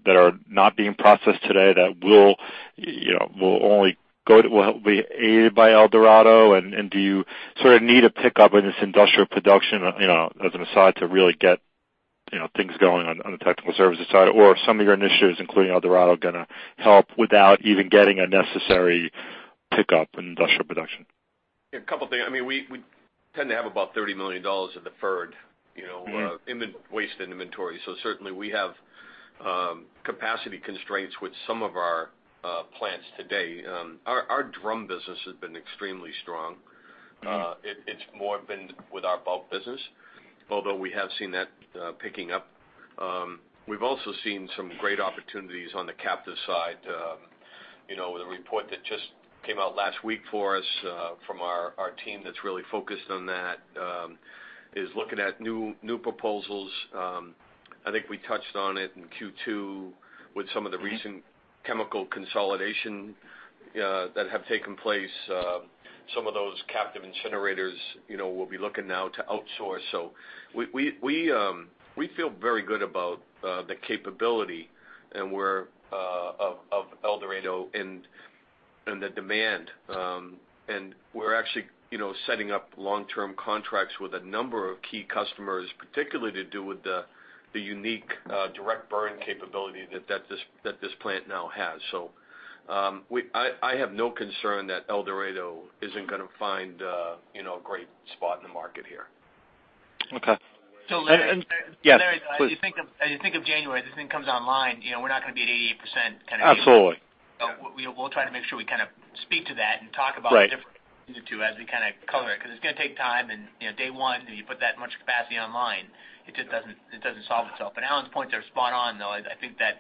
not being processed today that will, you know, will only go to-- will be aided by El Dorado? And do you sort of need a pickup in this industrial production, you know, as an aside, to really get, you know, things going on, on the technical services side, or some of your initiatives, including El Dorado, gonna help without even getting a necessary pickup in industrial production? Yeah, a couple things. I mean, we tend to have about $30 million in deferred, you know-... in the waste and inventory. So certainly we have capacity constraints with some of our plants today. Our drum business has been extremely strong. It's more been with our bulk business, although we have seen that picking up. We've also seen some great opportunities on the captive side. You know, the report that just came out last week for us from our team that's really focused on that is looking at new proposals. I think we touched on it in Q2 with some of the recent-... chemical consolidation that have taken place. Some of those captive incinerators, you know, will be looking now to outsource. So we feel very good about the capability, and we're and the demand. And we're actually, you know, setting up long-term contracts with a number of key customers, particularly to do with the unique direct burn capability that this plant now has. So I have no concern that El Dorado isn't gonna find, you know, a great spot in the market here. Okay. So, Larry- Yeah, please. As you think of January, this thing comes online, you know, we're not going to be at 88% kind of- Absolutely. We'll try to make sure we kind of speak to that and talk about- Right ...the different two as we kind of color it, because it's going to take time, and, you know, day one, you put that much capacity online, it just doesn't, it doesn't solve itself. But Alan's points are spot on, though. I think that,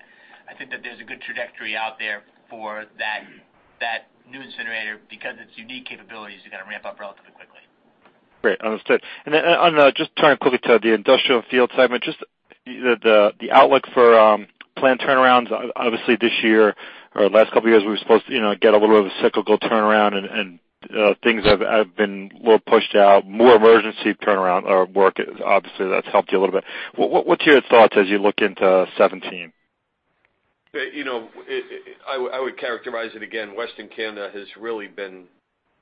I think that there's a good trajectory out there for that, that new incinerator, because its unique capabilities are going to ramp up relatively quickly. Great, understood. And then, on just turning quickly to the industrial field segment, just the outlook for plant turnarounds, obviously, this year or the last couple of years, we were supposed to, you know, get a little bit of a cyclical turnaround, and things have been more pushed out, more emergency turnaround or work. Obviously, that's helped you a little bit. What's your thoughts as you look into 2017? You know, I would characterize it again, Western Canada has really been,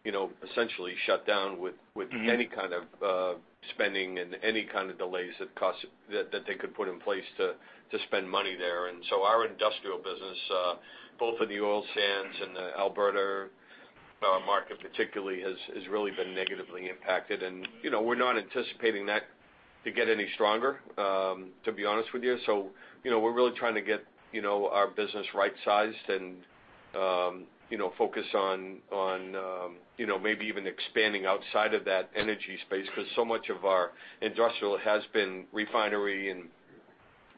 you know, essentially shut down with-... with any kind of spending and any kind of delays of costs that they could put in place to spend money there. And so our industrial business, both in the oil sands and the Alberta market particularly, has really been negatively impacted. And, you know, we're not anticipating that to get any stronger, to be honest with you. So, you know, we're really trying to get, you know, our business right-sized and, you know, focus on, you know, maybe even expanding outside of that energy space, because so much of our industrial has been refinery and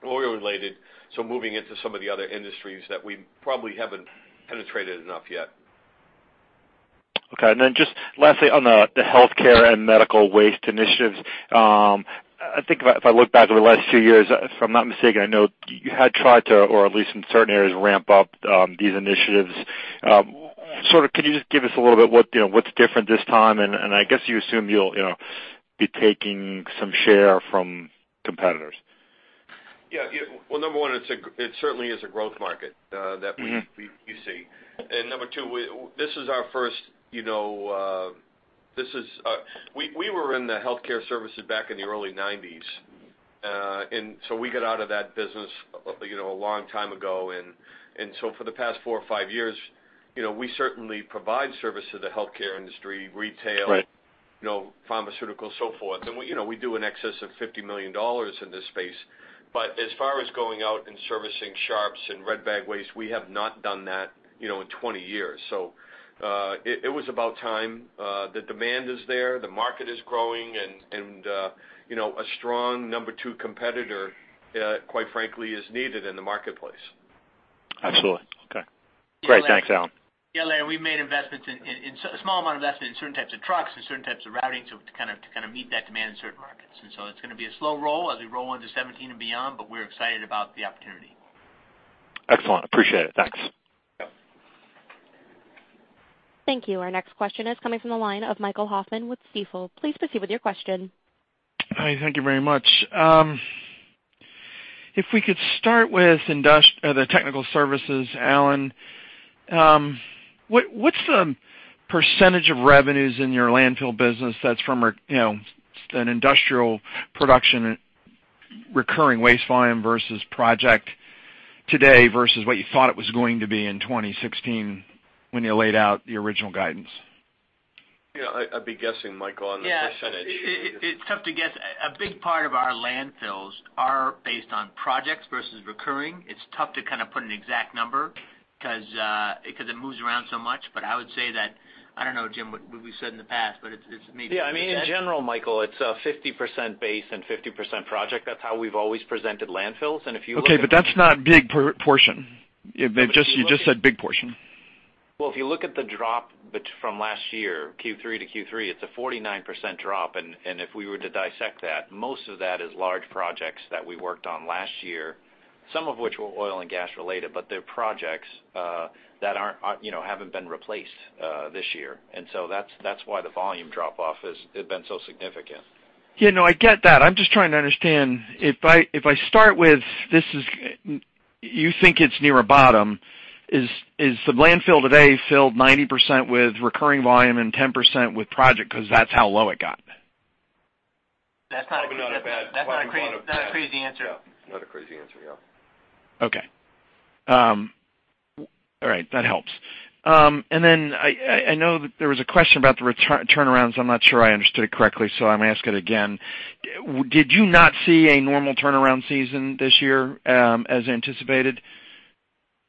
oil-related, so moving into some of the other industries that we probably haven't penetrated enough yet. Okay. And then just lastly, on the healthcare and medical waste initiatives, I think if I look back over the last few years, if I'm not mistaken, I know you had tried to, or at least in certain areas, ramp up these initiatives. Sort of, can you just give us a little bit what, you know, what's different this time? And I guess you assume you'll, you know, be taking some share from competitors. Yeah, yeah. Well, number one, it certainly is a growth market, that-... we see. And number 2, this is our first, you know, this is... We were in the healthcare services back in the early 1990s, and so we got out of that business, you know, a long time ago. And so for the past four or five years, you know, we certainly provide service to the healthcare industry, retail- Right... you know, pharmaceuticals, so forth. And, you know, we do in excess of $50 million in this space. But as far as going out and servicing sharps and red bag waste, we have not done that, you know, in 20 years. So, it was about time. The demand is there, the market is growing, and, you know, a strong number two competitor, quite frankly, is needed in the marketplace. Absolutely. Okay. Great. Thanks, Alan. Yeah, Larry, we've made investments in a small amount of investment in certain types of trucks and certain types of routing to kind of meet that demand in certain markets. And so it's going to be a slow roll as we roll into 2017 and beyond, but we're excited about the opportunity. Excellent. Appreciate it. Thanks. Thank you. Our next question is coming from the line of Michael Hoffman with Stifel. Please proceed with your question. Hi, thank you very much. If we could start with the technical services, Alan, what’s the percentage of revenues in your landfill business that’s from, or, you know, an industrial production, recurring waste volume versus project today, versus what you thought it was going to be in 2016, when you laid out the original guidance? Yeah, I'd be guessing, Michael, on the percentage. Yeah. It's tough to guess. A big part of our landfills are based on projects versus recurring. It's tough to kind of put an exact number because because it moves around so much. But I would say that, I don't know, Jim, what we said in the past, but it's maybe- Yeah, I mean, in general, Michael, it's a 50% base and 50% project. That's how we've always presented landfills. And if you look at- Okay, but that's not big portion. You just said big portion. Well, if you look at the drop from last year, Q3 to Q3, it's a 49% drop. And if we were to dissect that, most of that is large projects that we worked on last year, some of which were Oil and Gas related, but they're projects that aren't, you know, haven't been replaced this year. And so that's why the volume drop off has been so significant. Yeah, no, I get that. I'm just trying to understand if I start with this is... You think it's near a bottom, is the landfill today filled 90% with recurring volume and 10% with project, because that's how low it got? That's not- Probably not a bad- That's not a crazy, not a crazy answer. Not a crazy answer, yeah. Okay. All right. That helps. And then I know that there was a question about the turnarounds. I'm not sure I understood it correctly, so I'm going to ask it again. Did you not see a normal turnaround season this year, as anticipated?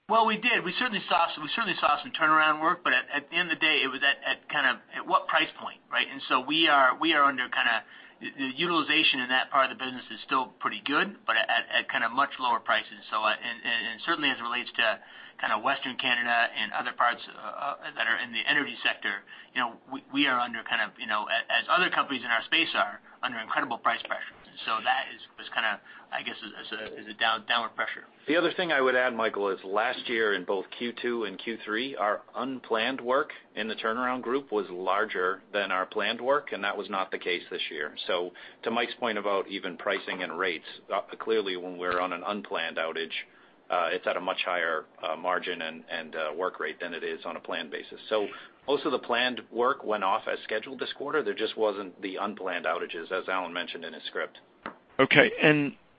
Well, we did. We certainly saw some turnaround work, but at the end of the day, it was at kind of what price point, right? And so we are under kind of... The utilization in that part of the business is still pretty good, but at kind of much lower prices. So, certainly as it relates to kind of Western Canada and other parts that are in the energy sector, you know, we are under kind of, you know, as other companies in our space are, under incredible price pressures. So that is kind of, I guess, a downward pressure. The other thing I would add, Michael, is last year, in both Q2 and Q3, our unplanned work in the turnaround group was larger than our planned work, and that was not the case this year. So to Mike's point about even pricing and rates, clearly, when we're on an unplanned outage-... it's at a much higher margin and work rate than it is on a planned basis. So most of the planned work went off as scheduled this quarter. There just wasn't the unplanned outages, as Alan mentioned in his script. Okay.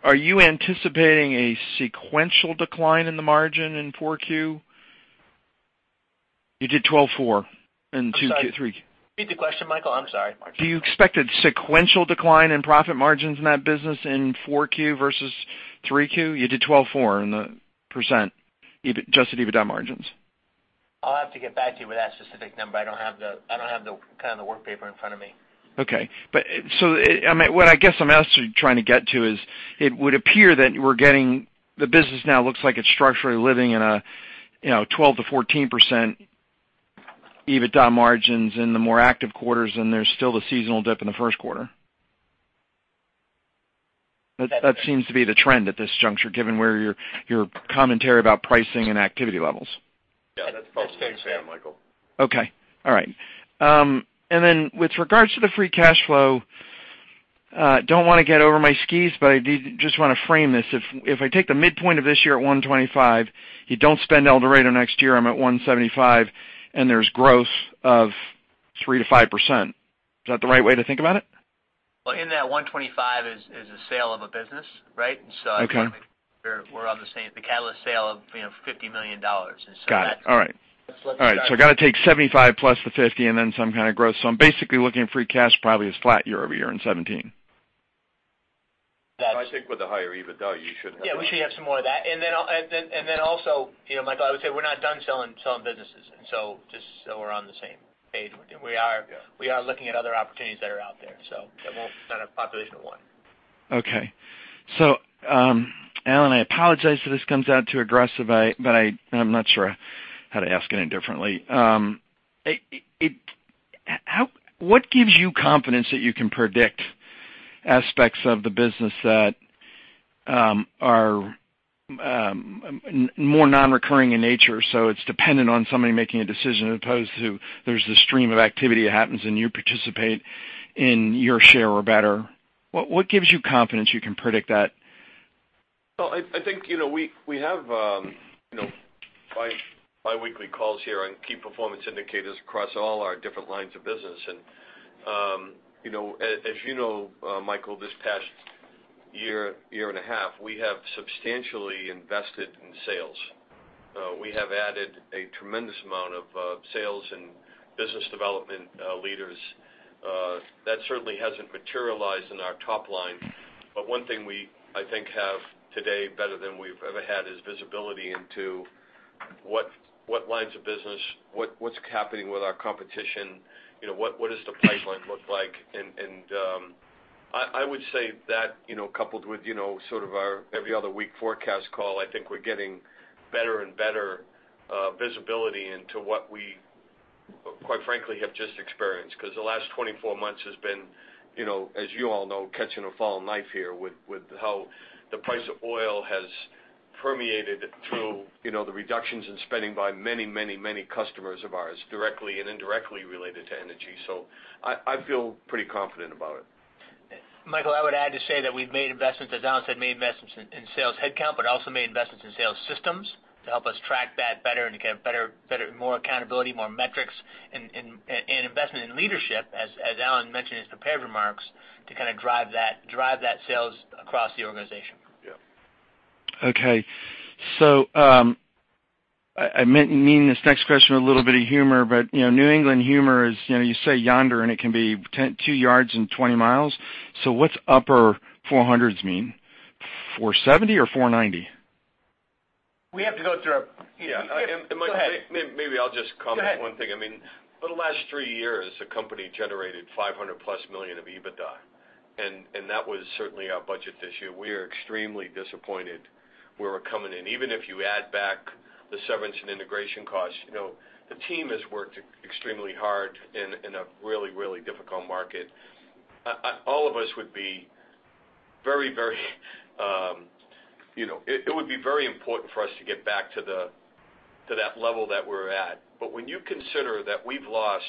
Are you anticipating a sequential decline in the margin in Q4? You did 12.4 in Q2, Q3. Repeat the question, Michael. I'm sorry. Do you expect a sequential decline in profit margins in that business in Q4 versus Q3? You did 12.4% adjusted EBITDA margins. I'll have to get back to you with that specific number. I don't have the kind of the work paper in front of me. Okay. But so, I mean, what I guess I'm also trying to get to is, it would appear that we're getting, the business now looks like it's structurally living in a, you know, 12%-14% EBITDA margins in the more active quarters, and there's still the seasonal dip in the first quarter. That, that seems to be the trend at this juncture, given where your, your commentary about pricing and activity levels. Yeah, that's probably fair, Michael. Okay. All right. And then with regards to the free cash flow, don't want to get over my skis, but I did just want to frame this. If, if I take the midpoint of this year at $125, you don't spend El Dorado next year, I'm at $175, and there's growth of 3%-5%. Is that the right way to think about it? Well, in that $125 is a sale of a business, right? Okay. So I think we're on the same, the catalyst sale of, you know, $50 million. Got it. All right. Let's start- All right, so I got to take 75 plus the 50 and then some kind of growth. So I'm basically looking at free cash probably as flat year-over-year in 2017. I think with the higher EBITDA, you should have- Yeah, we should have some more of that. And then also, you know, Michael, I would say we're not done selling businesses. And so just so we're on the same page, we are- Yeah... We are looking at other opportunities that are out there, so it won't kind of population of one. Okay. So, Alan, I apologize if this comes out too aggressive, but I'm not sure how to ask any differently. What gives you confidence that you can predict aspects of the business that are more nonrecurring in nature, so it's dependent on somebody making a decision, as opposed to there's the stream of activity that happens, and you participate in your share or better? What gives you confidence you can predict that? Well, I think, you know, we have, you know, biweekly calls here on key performance indicators across all our different lines of business. And, you know, as you know, Michael, this past year and a half, we have substantially invested in sales. We have added a tremendous amount of sales and business development leaders. That certainly hasn't materialized in our top line. But one thing we, I think, have today better than we've ever had, is visibility into what lines of business, what's happening with our competition, you know, what does the pipeline look like? And, I would say that, you know, coupled with, you know, sort of our every other week forecast call, I think we're getting better and better visibility into what we, quite frankly, have just experienced. Because the last 24 months has been, you know, as you all know, catching a falling knife here with how the price of oil has permeated through, you know, the reductions in spending by many, many, many customers of ours, directly and indirectly related to energy. So I feel pretty confident about it. Michael, I would add to say that we've made investments, as Alan said, made investments in sales headcount, but also made investments in sales systems to help us track that better and to get better, better, more accountability, more metrics and, and, and investment in leadership, as, as Alan mentioned in his prepared remarks, to kind of drive that, drive that sales across the organization. Yeah. Okay. So, I mean this next question with a little bit of humor, but, you know, New England humor is, you know, you say yonder, and it can be 10 to 2 yards and 20 miles. So what's upper 400s mean? 470 or 490? We have to go through our... Yeah. Go ahead. Maybe I'll just comment- Go ahead... one thing. I mean, for the last three years, the company generated $500+ million of EBITDA, and that was certainly our budget this year. We are extremely disappointed where we're coming in. Even if you add back the severance and integration costs, you know, the team has worked extremely hard in a really, really difficult market. All of us would be very, very, you know... It would be very important for us to get back to that level that we're at. But when you consider that we've lost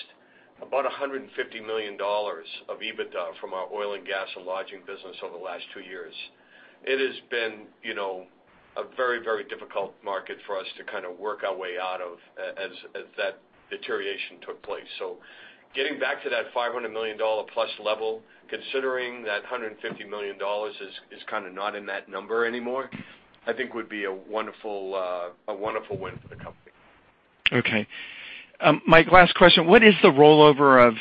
about $150 million of EBITDA from our Oil and Gas and Lodging business over the last two years, it has been, you know, a very, very difficult market for us to kind of work our way out of, as that deterioration took place. So getting back to that $500 million plus level, considering that $150 million is kind of not in that number anymore, I think would be a wonderful, a wonderful win for the company. Okay. Mike, last question. What is the rollover of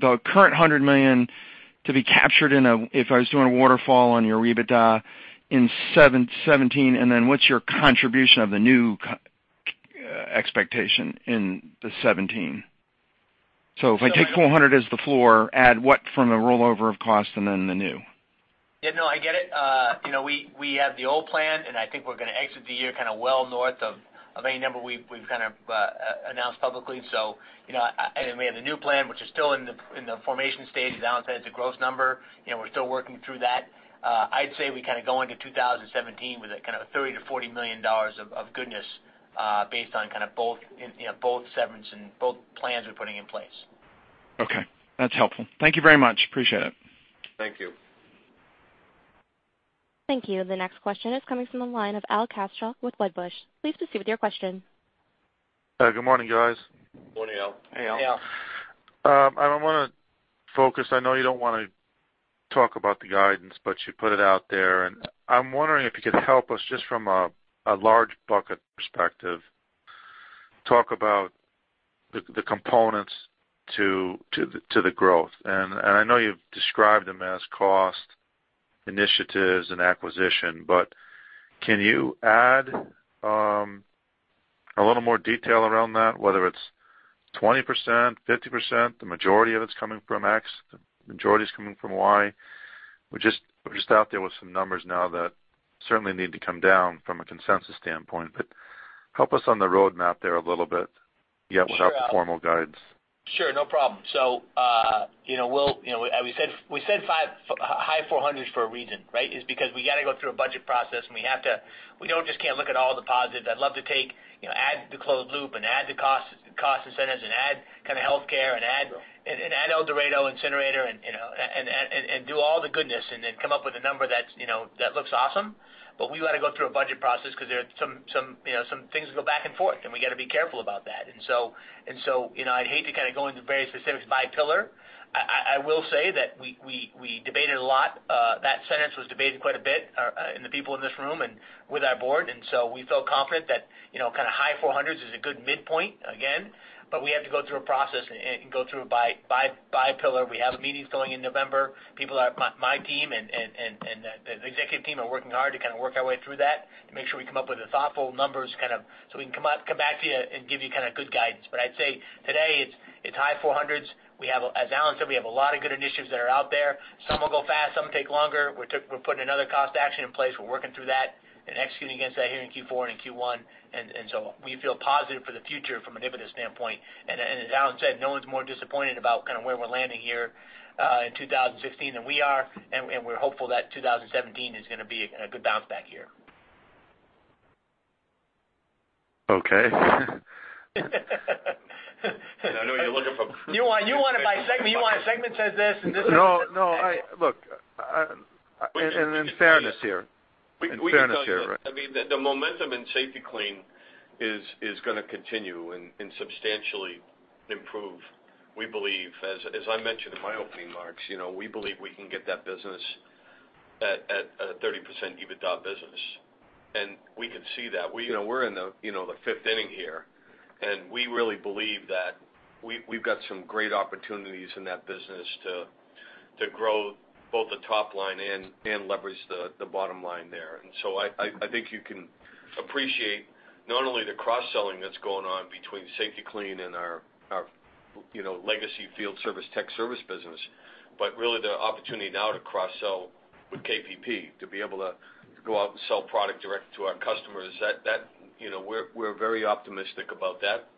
the current $100 million to be captured in a waterfall on your EBITDA in 2017, and then what's your contribution of the new KPP expectation in the 2017? So if I take $400 as the floor, add what from the rollover of cost and then the new? Yeah, no, I get it. You know, we have the old plan, and I think we're going to exit the year kind of well north of any number we've kind of announced publicly. So, you know, and we have the new plan, which is still in the formation stage. As Alan said, it's a gross number. You know, we're still working through that. I'd say we kind of go into 2017 with a kind of $30-$40 million of goodness, based on kind of both, you know, both severance and both plans we're putting in place.... Okay, that's helpful. Thank you very much. Appreciate it. Thank you. Thank you. The next question is coming from the line of Al Kaschalk with Wedbush. Please proceed with your question. Hi, good morning, guys. Good morning, Al. Hey, Al. I wanna focus. I know you don't wanna talk about the guidance, but you put it out there, and I'm wondering if you could help us, just from a large bucket perspective, talk about the components to the growth. And I know you've described them as cost initiatives and acquisition, but can you add a little more detail around that? Whether it's 20%, 50%, the majority of it's coming from X, the majority is coming from Y. We're just out there with some numbers now that certainly need to come down from a consensus standpoint, but help us on the roadmap there a little bit, yet without the formal guides. Sure, no problem. So, you know, we'll, you know, as we said, we said high 400s for a reason, right? Is because we got to go through a budget process, and we have to—we don't just can't look at all the positives. I'd love to take, you know, add the closed loop and add the cost, cost initiatives and add kind of healthcare and add, and, and add El Dorado incinerator and, you know, and, and, and do all the goodness and then come up with a number that's, you know, that looks awesome. But we got to go through a budget process because there are some, some, you know, some things go back and forth, and we got to be careful about that. And so, and so, you know, I'd hate to kind of go into very specifics by pillar. I will say that we debated a lot. That sentence was debated quite a bit among the people in this room and with our board, and so we feel confident that, you know, kind of high 400s is a good midpoint again. But we have to go through a process and go through it by pillar. We have meetings going in November. People are, my team and the executive team are working hard to kind of work our way through that to make sure we come up with the thoughtful numbers, kind of, so we can come back to you and give you kind of good guidance. But I'd say today, it's high 400s. We have, as Alan said, we have a lot of good initiatives that are out there. Some will go fast, some take longer. We're putting another cost action in place. We're working through that and executing against that here in Q4 and in Q1. And so we feel positive for the future from an EBITDA standpoint. And as Alan said, no one's more disappointed about kind of where we're landing here in 2016 than we are, and we're hopeful that 2017 is gonna be a good bounce back year. Okay. I know you're looking for- You want, you want it by segment, you want to segment this and this is- No, no. Look, and, and in fairness here, in fairness here. We can tell you, I mean, the momentum in Safety-Kleen is gonna continue and substantially improve. We believe, as I mentioned in my opening remarks, you know, we believe we can get that business at a 30% EBITDA business, and we can see that. You know, we're in the fifth inning here, and we really believe that we've got some great opportunities in that business to grow both the top line and leverage the bottom line there. So I think you can appreciate not only the cross-selling that's going on between Safety-Kleen and our, you know, legacy field service, tech service business, but really the opportunity now to cross-sell with KPP, to be able to go out and sell product direct to our customers. That, you know, we're very optimistic about that.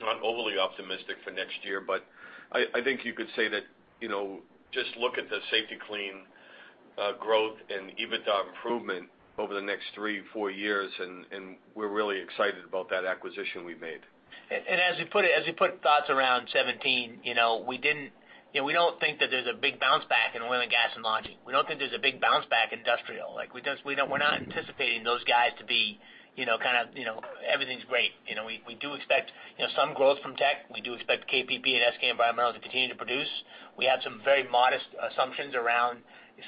Not overly optimistic for next year, but I think you could say that, you know, just look at the Safety-Kleen growth and EBITDA improvement over the next 3-4 years, and we're really excited about that acquisition we made. As we put thoughts around 2017, you know, we don't think that there's a big bounce back in Oil and Gas and Lodging. We don't think there's a big bounce back in industrial. Like, we just don't; we're not anticipating those guys to be, you know, kind of, you know, everything's great. You know, we do expect, you know, some growth from tech. We do expect KPP and SK Environmental to continue to produce. We have some very modest assumptions around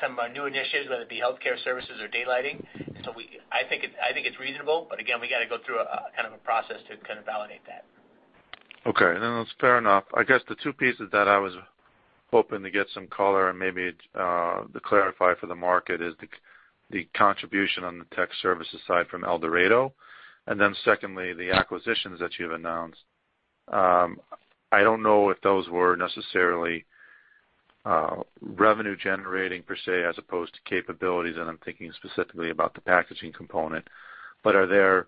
some of our new initiatives, whether it be healthcare services or daylighting. So, I think it's reasonable, but again, we got to go through a kind of a process to kind of validate that. Okay, then that's fair enough. I guess the two pieces that I was hoping to get some color and maybe to clarify for the market is the contribution on the Tech Services side from El Dorado, and then secondly, the acquisitions that you've announced. I don't know if those were necessarily revenue generating per se, as opposed to capabilities, and I'm thinking specifically about the packaging component. But are there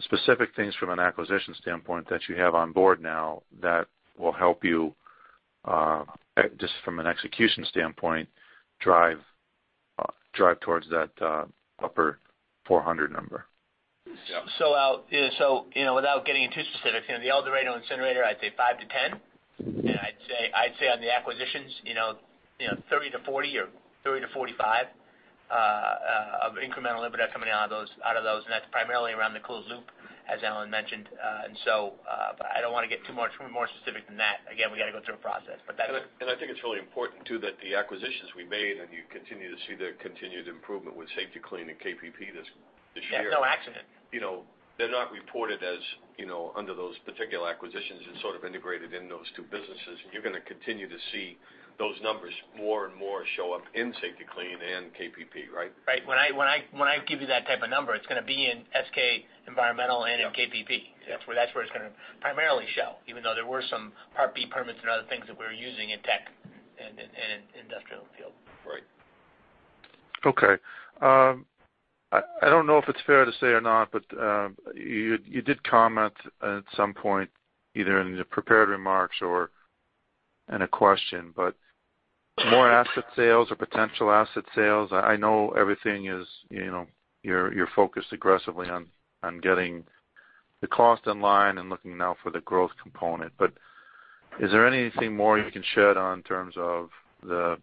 specific things from an acquisition standpoint that you have on board now that will help you just from an execution standpoint, drive towards that upper 400 number? Yeah. So, Al, yeah, so, you know, without getting too specific, you know, the El Dorado incinerator, I'd say 5-10. And I'd say, I'd say on the acquisitions, you know, you know, 30-40 or 30-45 of incremental EBITDA coming out of those, out of those, and that's primarily around the closed loop, as Alan mentioned. And so, but I don't want to get too much more specific than that. Again, we got to go through a process, but that's- I think it's really important, too, that the acquisitions we made, and you continue to see the continued improvement with Safety-Kleen and KPP this year- That's no accident. You know, they're not reported as, you know, under those particular acquisitions and sort of integrated in those two businesses, and you're gonna continue to see those numbers more and more show up in Safety-Kleen and KPP, right? Right. When I give you that type of number, it's gonna be in SK Environmental- Yeah... and in KPP. Yeah. That's where, that's where it's gonna primarily show, even though there were some Part B permits and other things that we were using in tech and in industrial field for it. Okay. I don't know if it's fair to say or not, but you did comment at some point, either in the prepared remarks or in a question, but more asset sales or potential asset sales? I know everything is, you know, you're focused aggressively on getting the cost in line and looking now for the growth component. But is there anything more you can shed on in terms of the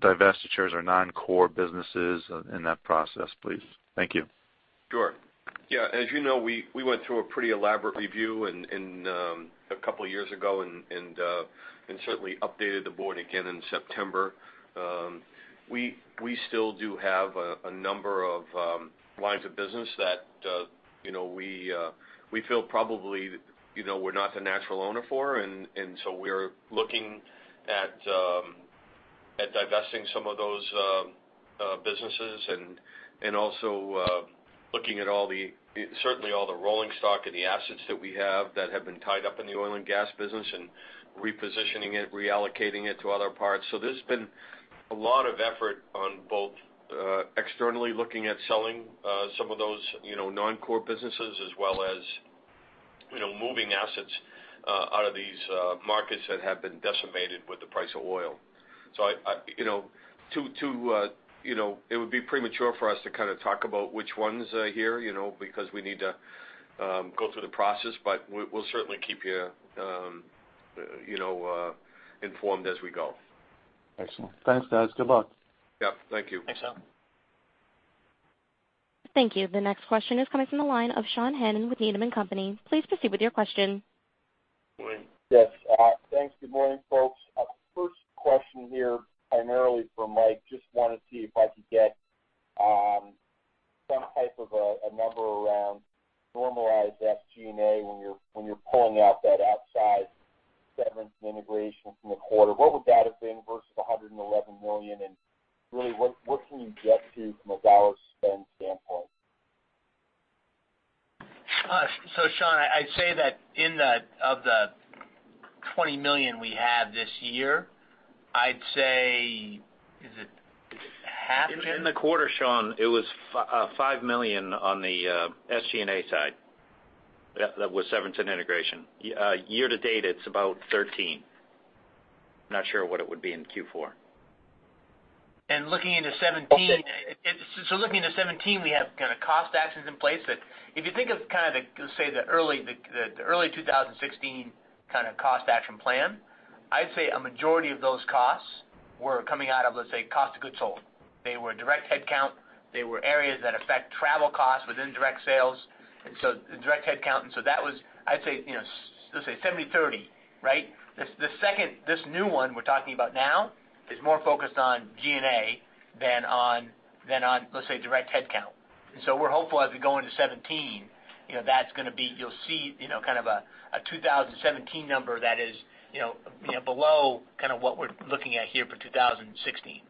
divestitures or non-core businesses in that process, please? Thank you. Sure. Yeah, as you know, we went through a pretty elaborate review in a couple of years ago, and certainly updated the board again in September. We still do have a number of lines of business that you know, we feel probably, you know, we're not the natural owner for, and so we're looking at divesting some of those businesses and also looking at all the certainly all the rolling stock and the assets that we have that have been tied up in the Oil and Gas business and repositioning it, reallocating it to other parts. So there's been a lot of effort on both, externally looking at selling, some of those, you know, non-core businesses, as well as, you know, moving assets, out of these, markets that have been decimated with the price of oil. So I you know to you know it would be premature for us to kind of talk about which ones, here, you know, because we need to go through the process, but we'll certainly keep you, you know, informed as we go. Excellent. Thanks, guys. Good luck. Yeah, thank you. Thanks, Alan. Thank you. The next question is coming from the line of Sean Hannan with Needham & Company. Please proceed with your question. Yes, thanks. Good morning, folks. First question here, primarily for Mike, just wanted to see if I could get some type of a number around normalized SG&A when you're pulling out that outside severance integration from the quarter. What would that have been versus the $111 million? And really, what can you get to from a dollar spend standpoint? So, Sean, I'd say that in of the $20 million we have this year, I'd say, is it half? In the quarter, Sean, it was $5 million on the SG&A side. That was severance integration. Year to date, it's about $13 million. I'm not sure what it would be in Q4. Looking into 2017, so looking into 2017, we have kind of cost actions in place that if you think of kind of the, say, the early 2016 kind of cost action plan, I'd say a majority of those costs were coming out of, let's say, cost of goods sold. They were direct headcount, they were areas that affect travel costs within direct sales, and so the direct headcount, and so that was, I'd say, you know, let's say 70-30, right? The second, this new one we're talking about now is more focused on G&A than on, than on, let's say, direct headcount. And so we're hopeful as we go into 2017, you know, that's gonna be, you'll see, you know, kind of a 2017 number that is, you know, below kind of what we're looking at here for 2016.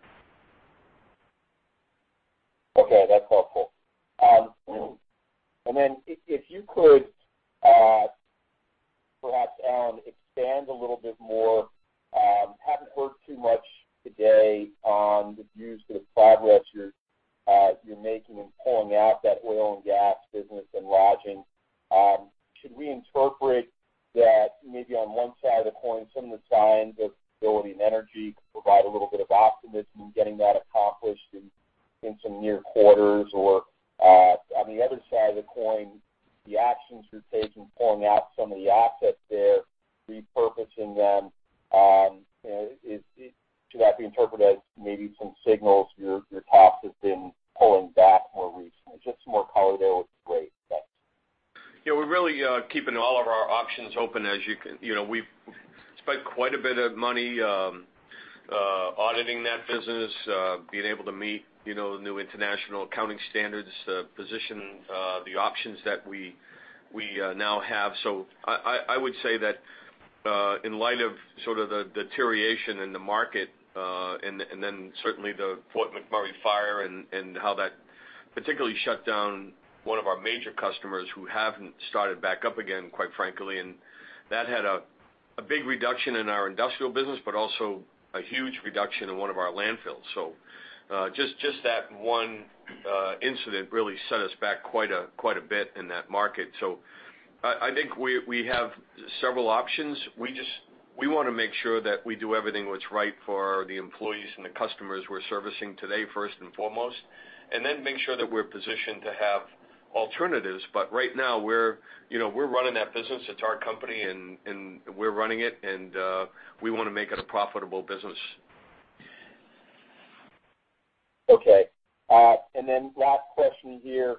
Okay. That's helpful. And then if you could perhaps, Alan, expand a little bit more. Haven't heard too much today on the views of the progress you're making in pulling out that Oil and Gas business and logistics. Should we interpret that maybe on one side of the coin, some of the signs of stability and energy could provide a little bit of optimism in getting that accomplished in some near quarters? Or, on the other side of the coin, the actions you're taking, pulling out some of the assets there, repurposing them, should that be interpreted as maybe some signals your cost has been pulling back more recently? Just some more color there would be great. Thanks. Yeah, we're really keeping all of our options open, as you can. You know, we've spent quite a bit of money auditing that business, being able to meet, you know, the new international accounting standards, position the options that we now have. So I would say that, in light of sort of the deterioration in the market, and then certainly the Fort McMurray fire and how that particularly shut down one of our major customers who haven't started back up again, quite frankly, and that had a big reduction in our industrial business, but also a huge reduction in one of our landfills. So, just that one incident really set us back quite a bit in that market. So I think we have several options. We just, we wanna make sure that we do everything that's right for the employees and the customers we're servicing today, first and foremost, and then make sure that we're positioned to have alternatives. But right now, we're, you know, we're running that business. It's our company, and, and we're running it, and, we wanna make it a profitable business. Okay. And then last question here.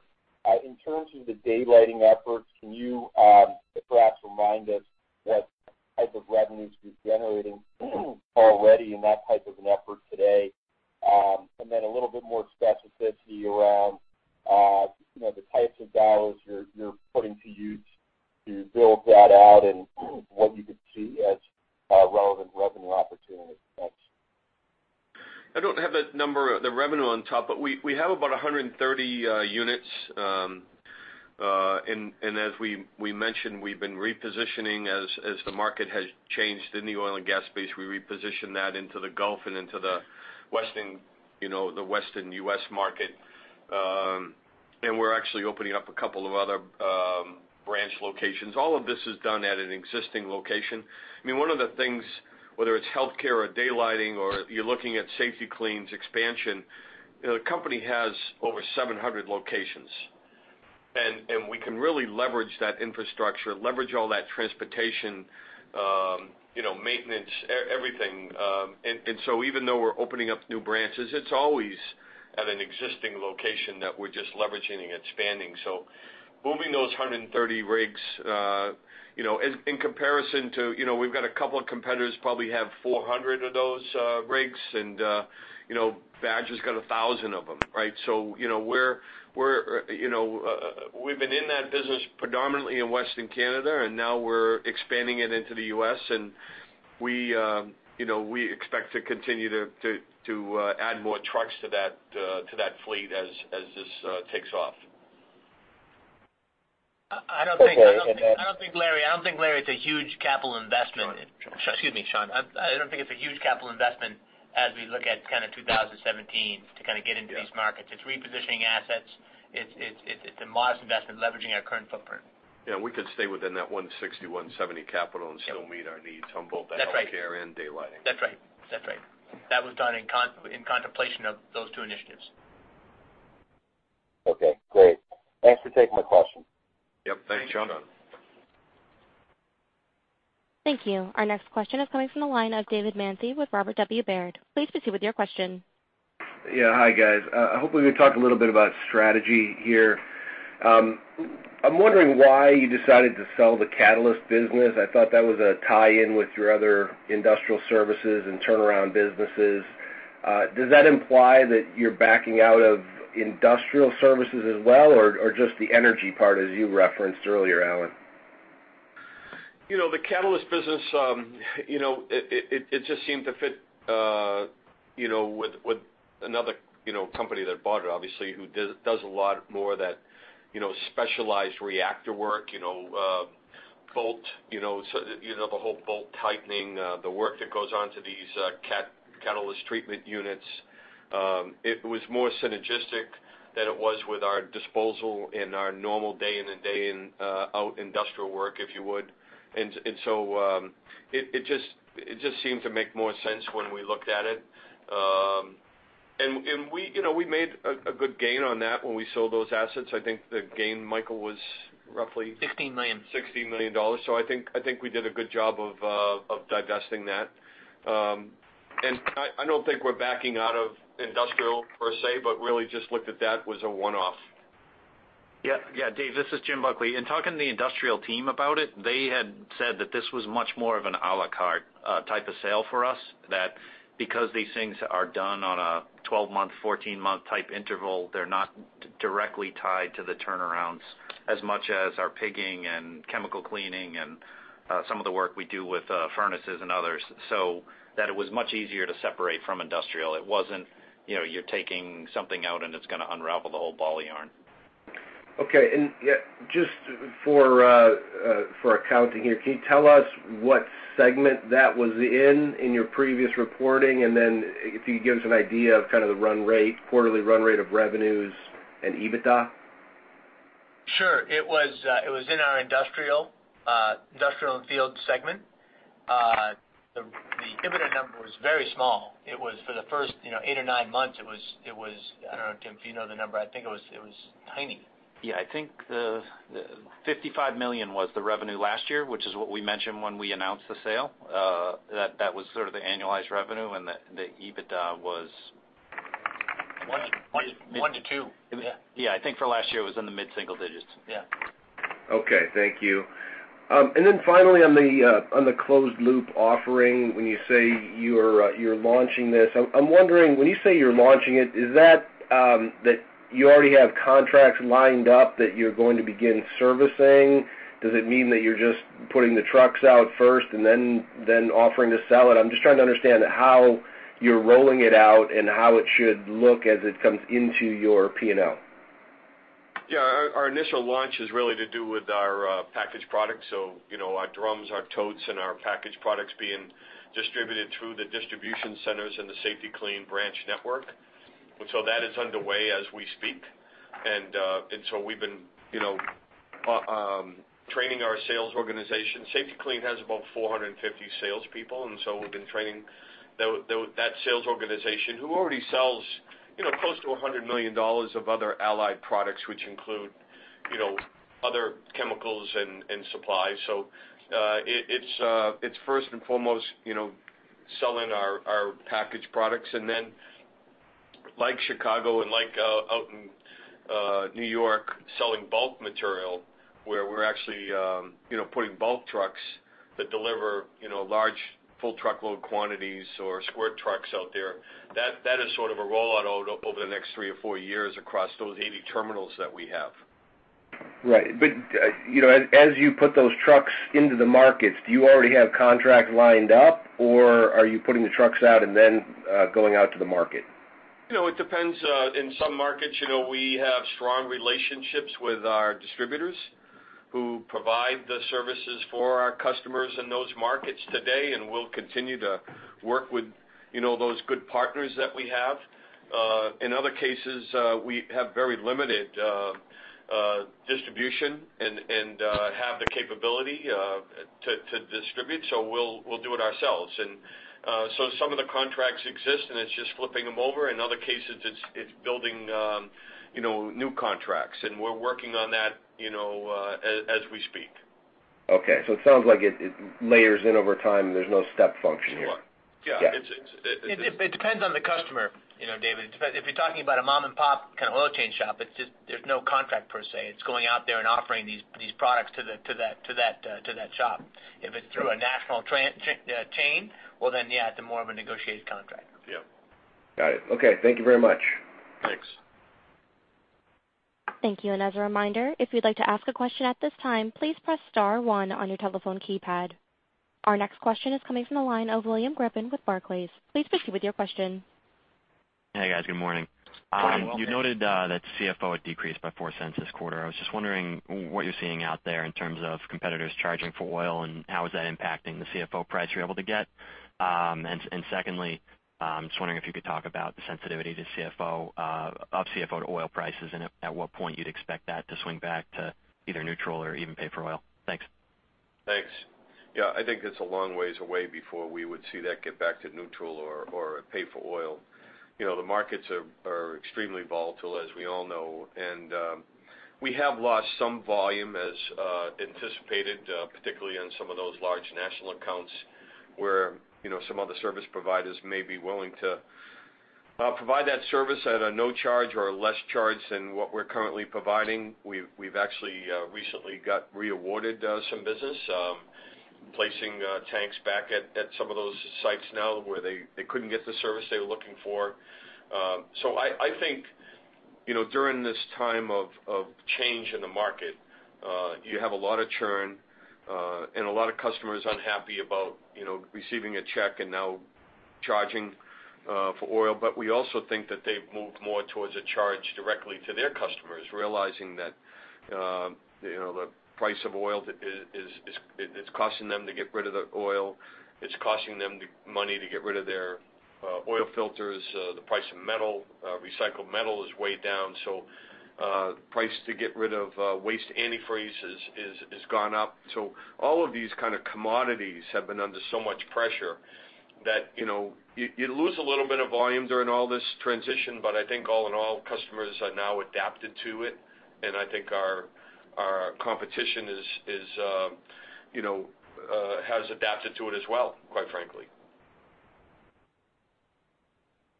In terms of the daylighting efforts, can you perhaps remind us what type of revenues you're generating already in that type of an effort today? And then a little bit more specificity around, you know, the types of dollars you're putting to use to build that out and what you could see as relevant revenue opportunities. Thanks. I don't have that number, the revenue on top, but we have about 130 units. As we mentioned, we've been repositioning as the market has changed in the Oil and Gas space, we repositioned that into the Gulf and into the western, you know, the Western U.S. market. We're actually opening up a couple of other branch locations. All of this is done at an existing location. I mean, one of the things, whether it's healthcare or daylighting, or you're looking at Safety-Kleen's expansion, the company has over 700 locations. We can really leverage that infrastructure, leverage all that transportation, you know, maintenance, everything. So even though we're opening up new branches, it's always at an existing location that we're just leveraging and expanding. So moving those 130 rigs, you know, in comparison to, you know, we've got a couple of competitors, probably have 400 of those rigs, and, you know, Badger's got 1,000 of them, right? So, you know, we're, you know, we've been in that business predominantly in Western Canada, and now we're expanding it into the U.S., and we, you know, we expect to continue to add more trucks to that fleet as this takes off. I don't think- Okay, and I don't think, Larry, it's a huge capital investment. Sean. Excuse me, Sean. I don't think it's a huge capital investment as we look at kind of 2017 to kind of get into- Yeah... these markets. It's repositioning assets. It's a modest investment, leveraging our current footprint. Yeah, we could stay within that $160-$170 capital and still meet our needs on both- That's right... healthcare and daylighting. That's right. That's right. That was done in contemplation of those two initiatives. Okay, great. Thanks for taking my question. Yep. Thanks, Sean. Thank you. Our next question is coming from the line of David Manthey with Robert W. Baird. Please proceed with your question. Yeah. Hi, guys. I hope we can talk a little bit about strategy here. I'm wondering why you decided to sell the catalyst business. I thought that was a tie-in with your other industrial services and turnaround businesses. Does that imply that you're backing out of industrial services as well, or just the energy part, as you referenced earlier, Alan? You know, the catalyst business, you know, it just seemed to fit, you know, with another, you know, company that bought it, obviously, who does a lot more of that, you know, specialized reactor work, you know, bolt, you know, so, you know, the whole bolt tightening, the work that goes on to these catalyst treatment units. It was more synergistic than it was with our disposal and our normal day in and day out industrial work, if you would. And so, it just seemed to make more sense when we looked at it. And we, you know, we made a good gain on that when we sold those assets. I think the gain, Michael, was roughly? Fifteen million. $16 million. So I think, I think we did a good job of, of divesting that. And I, I don't think we're backing out of industrial per se, but really just looked at that was a one-off. Yeah, yeah, Dave, this is Jim Buckley. In talking to the industrial team about it, they had said that this was much more of an à la carte type of sale for us, that because these things are done on a 12-month, 14-month type interval, they're not directly tied to the turnarounds as much as our pigging and chemical cleaning and some of the work we do with furnaces and others. So that it was much easier to separate from industrial. It wasn't, you know, you're taking something out, and it's gonna unravel the whole ball of yarn. Okay. And, just for, for accounting here, can you tell us what segment that was in, in your previous reporting? And then if you could give us an idea of kind of the run rate, quarterly run rate of revenues and EBITDA? Sure. It was in our industrial and field segment. The EBITDA number was very small. It was for the first, you know, eight or nine months. I don't know, Jim, if you know the number. I think it was tiny. Yeah, I think the fifty-five million was the revenue last year, which is what we mentioned when we announced the sale. That was sort of the annualized revenue, and the EBITDA was- 1 to 2. Yeah, I think for last year, it was in the mid-single digits. Yeah. Okay. Thank you. And then finally, on the closed loop offering, when you say you're launching this, I'm wondering, when you say you're launching it, is that that you already have contracts lined up that you're going to begin servicing? Does it mean that you're just putting the trucks out first and then offering to sell it? I'm just trying to understand how you're rolling it out and how it should look as it comes into your P&L. Yeah. Our, our initial launch is really to do with our packaged products, so you know, our drums, our totes, and our packaged products being distributed through the distribution centers and the Safety-Kleen branch network. And so that is underway as we speak. And, and so we've been, you know, training our sales organization. Safety-Kleen has about 450 salespeople, and so we've been training that, that sales organization who already sells, you know, close to $100 million of other allied products, which include, you know, other chemicals and, and supplies. So, it, it's, it's first and foremost, you know, selling our, our packaged products. And then, like Chicago and like, out in, New York, selling bulk material, where we're actually, you know, putting bulk trucks that deliver, you know, large full truckload quantities or square trucks out there. That, that is sort of a rollout over the next three or four years across those 80 terminals that we have. Right. But, you know, as you put those trucks into the markets, do you already have contracts lined up, or are you putting the trucks out and then going out to the market? You know, it depends. In some markets, you know, we have strong relationships with our distributors who provide the services for our customers in those markets today, and we'll continue to work with, you know, those good partners that we have. In other cases, we have very limited distribution and have the capability to distribute, so we'll do it ourselves. And so some of the contracts exist, and it's just flipping them over. In other cases, it's building, you know, new contracts, and we're working on that, you know, as we speak. Okay, so it sounds like it, it layers in over time. There's no step function here. Sure. Yeah. Yeah. It's, it's- It, it depends on the customer, you know, David. It depends. If you're talking about a mom-and-pop kind of oil change shop, it's just there's no contract per se. It's going out there and offering these products to that shop. If it's through a national chain, well, then, yeah, it's more of a negotiated contract. Yep. Got it. Okay, thank you very much. Thanks. Thank you. As a reminder, if you'd like to ask a question at this time, please press star one on your telephone keypad. Our next question is coming from the line of William Griffin with Barclays. Please proceed with your question. Hey, guys. Good morning. Good morning, William. You noted that RFO had decreased by $0.04 this quarter. I was just wondering what you're seeing out there in terms of competitors charging for oil, and how is that impacting the RFO price you're able to get? And secondly, just wondering if you could talk about the sensitivity of RFO to oil prices, and at what point you'd expect that to swing back to either neutral or even pay for oil? Thanks. Thanks. Yeah, I think it's a long ways away before we would see that get back to neutral or pay for oil. You know, the markets are extremely volatile, as we all know, and we have lost some volume as anticipated, particularly in some of those large national accounts where, you know, some other service providers may be willing to provide that service at a no charge or less charge than what we're currently providing. We've actually recently got re-awarded some business, placing tanks back at some of those sites now where they couldn't get the service they were looking for. So I think, you know, during this time of change in the market, you have a lot of churn, and a lot of customers unhappy about, you know, receiving a check and now charging for oil. But we also think that they've moved more towards a charge directly to their customers, realizing that, you know, the price of oil is, it's costing them to get rid of the oil. It's costing them the money to get rid of their oil filters. The price of metal, recycled metal is way down, so price to get rid of waste antifreezes is gone up. So all of these kind of commodities have been under so much pressure that, you know, you lose a little bit of volume during all this transition. But I think all in all, customers are now adapted to it, and I think our competition is, you know, has adapted to it as well, quite frankly.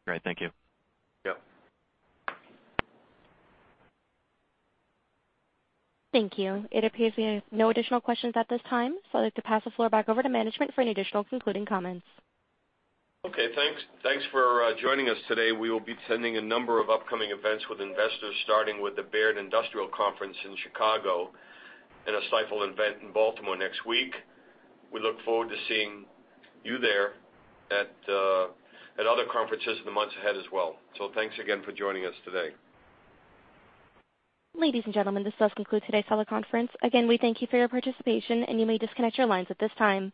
Great. Thank you. Yep. Thank you. It appears we have no additional questions at this time, so I'd like to pass the floor back over to management for any additional concluding comments. Okay, thanks. Thanks for joining us today. We will be attending a number of upcoming events with investors, starting with the Baird Industrial Conference in Chicago and a Stifel event in Baltimore next week. We look forward to seeing you there, at other conferences in the months ahead as well. So thanks again for joining us today. Ladies and gentlemen, this does conclude today's teleconference. Again, we thank you for your participation, and you may disconnect your lines at this time.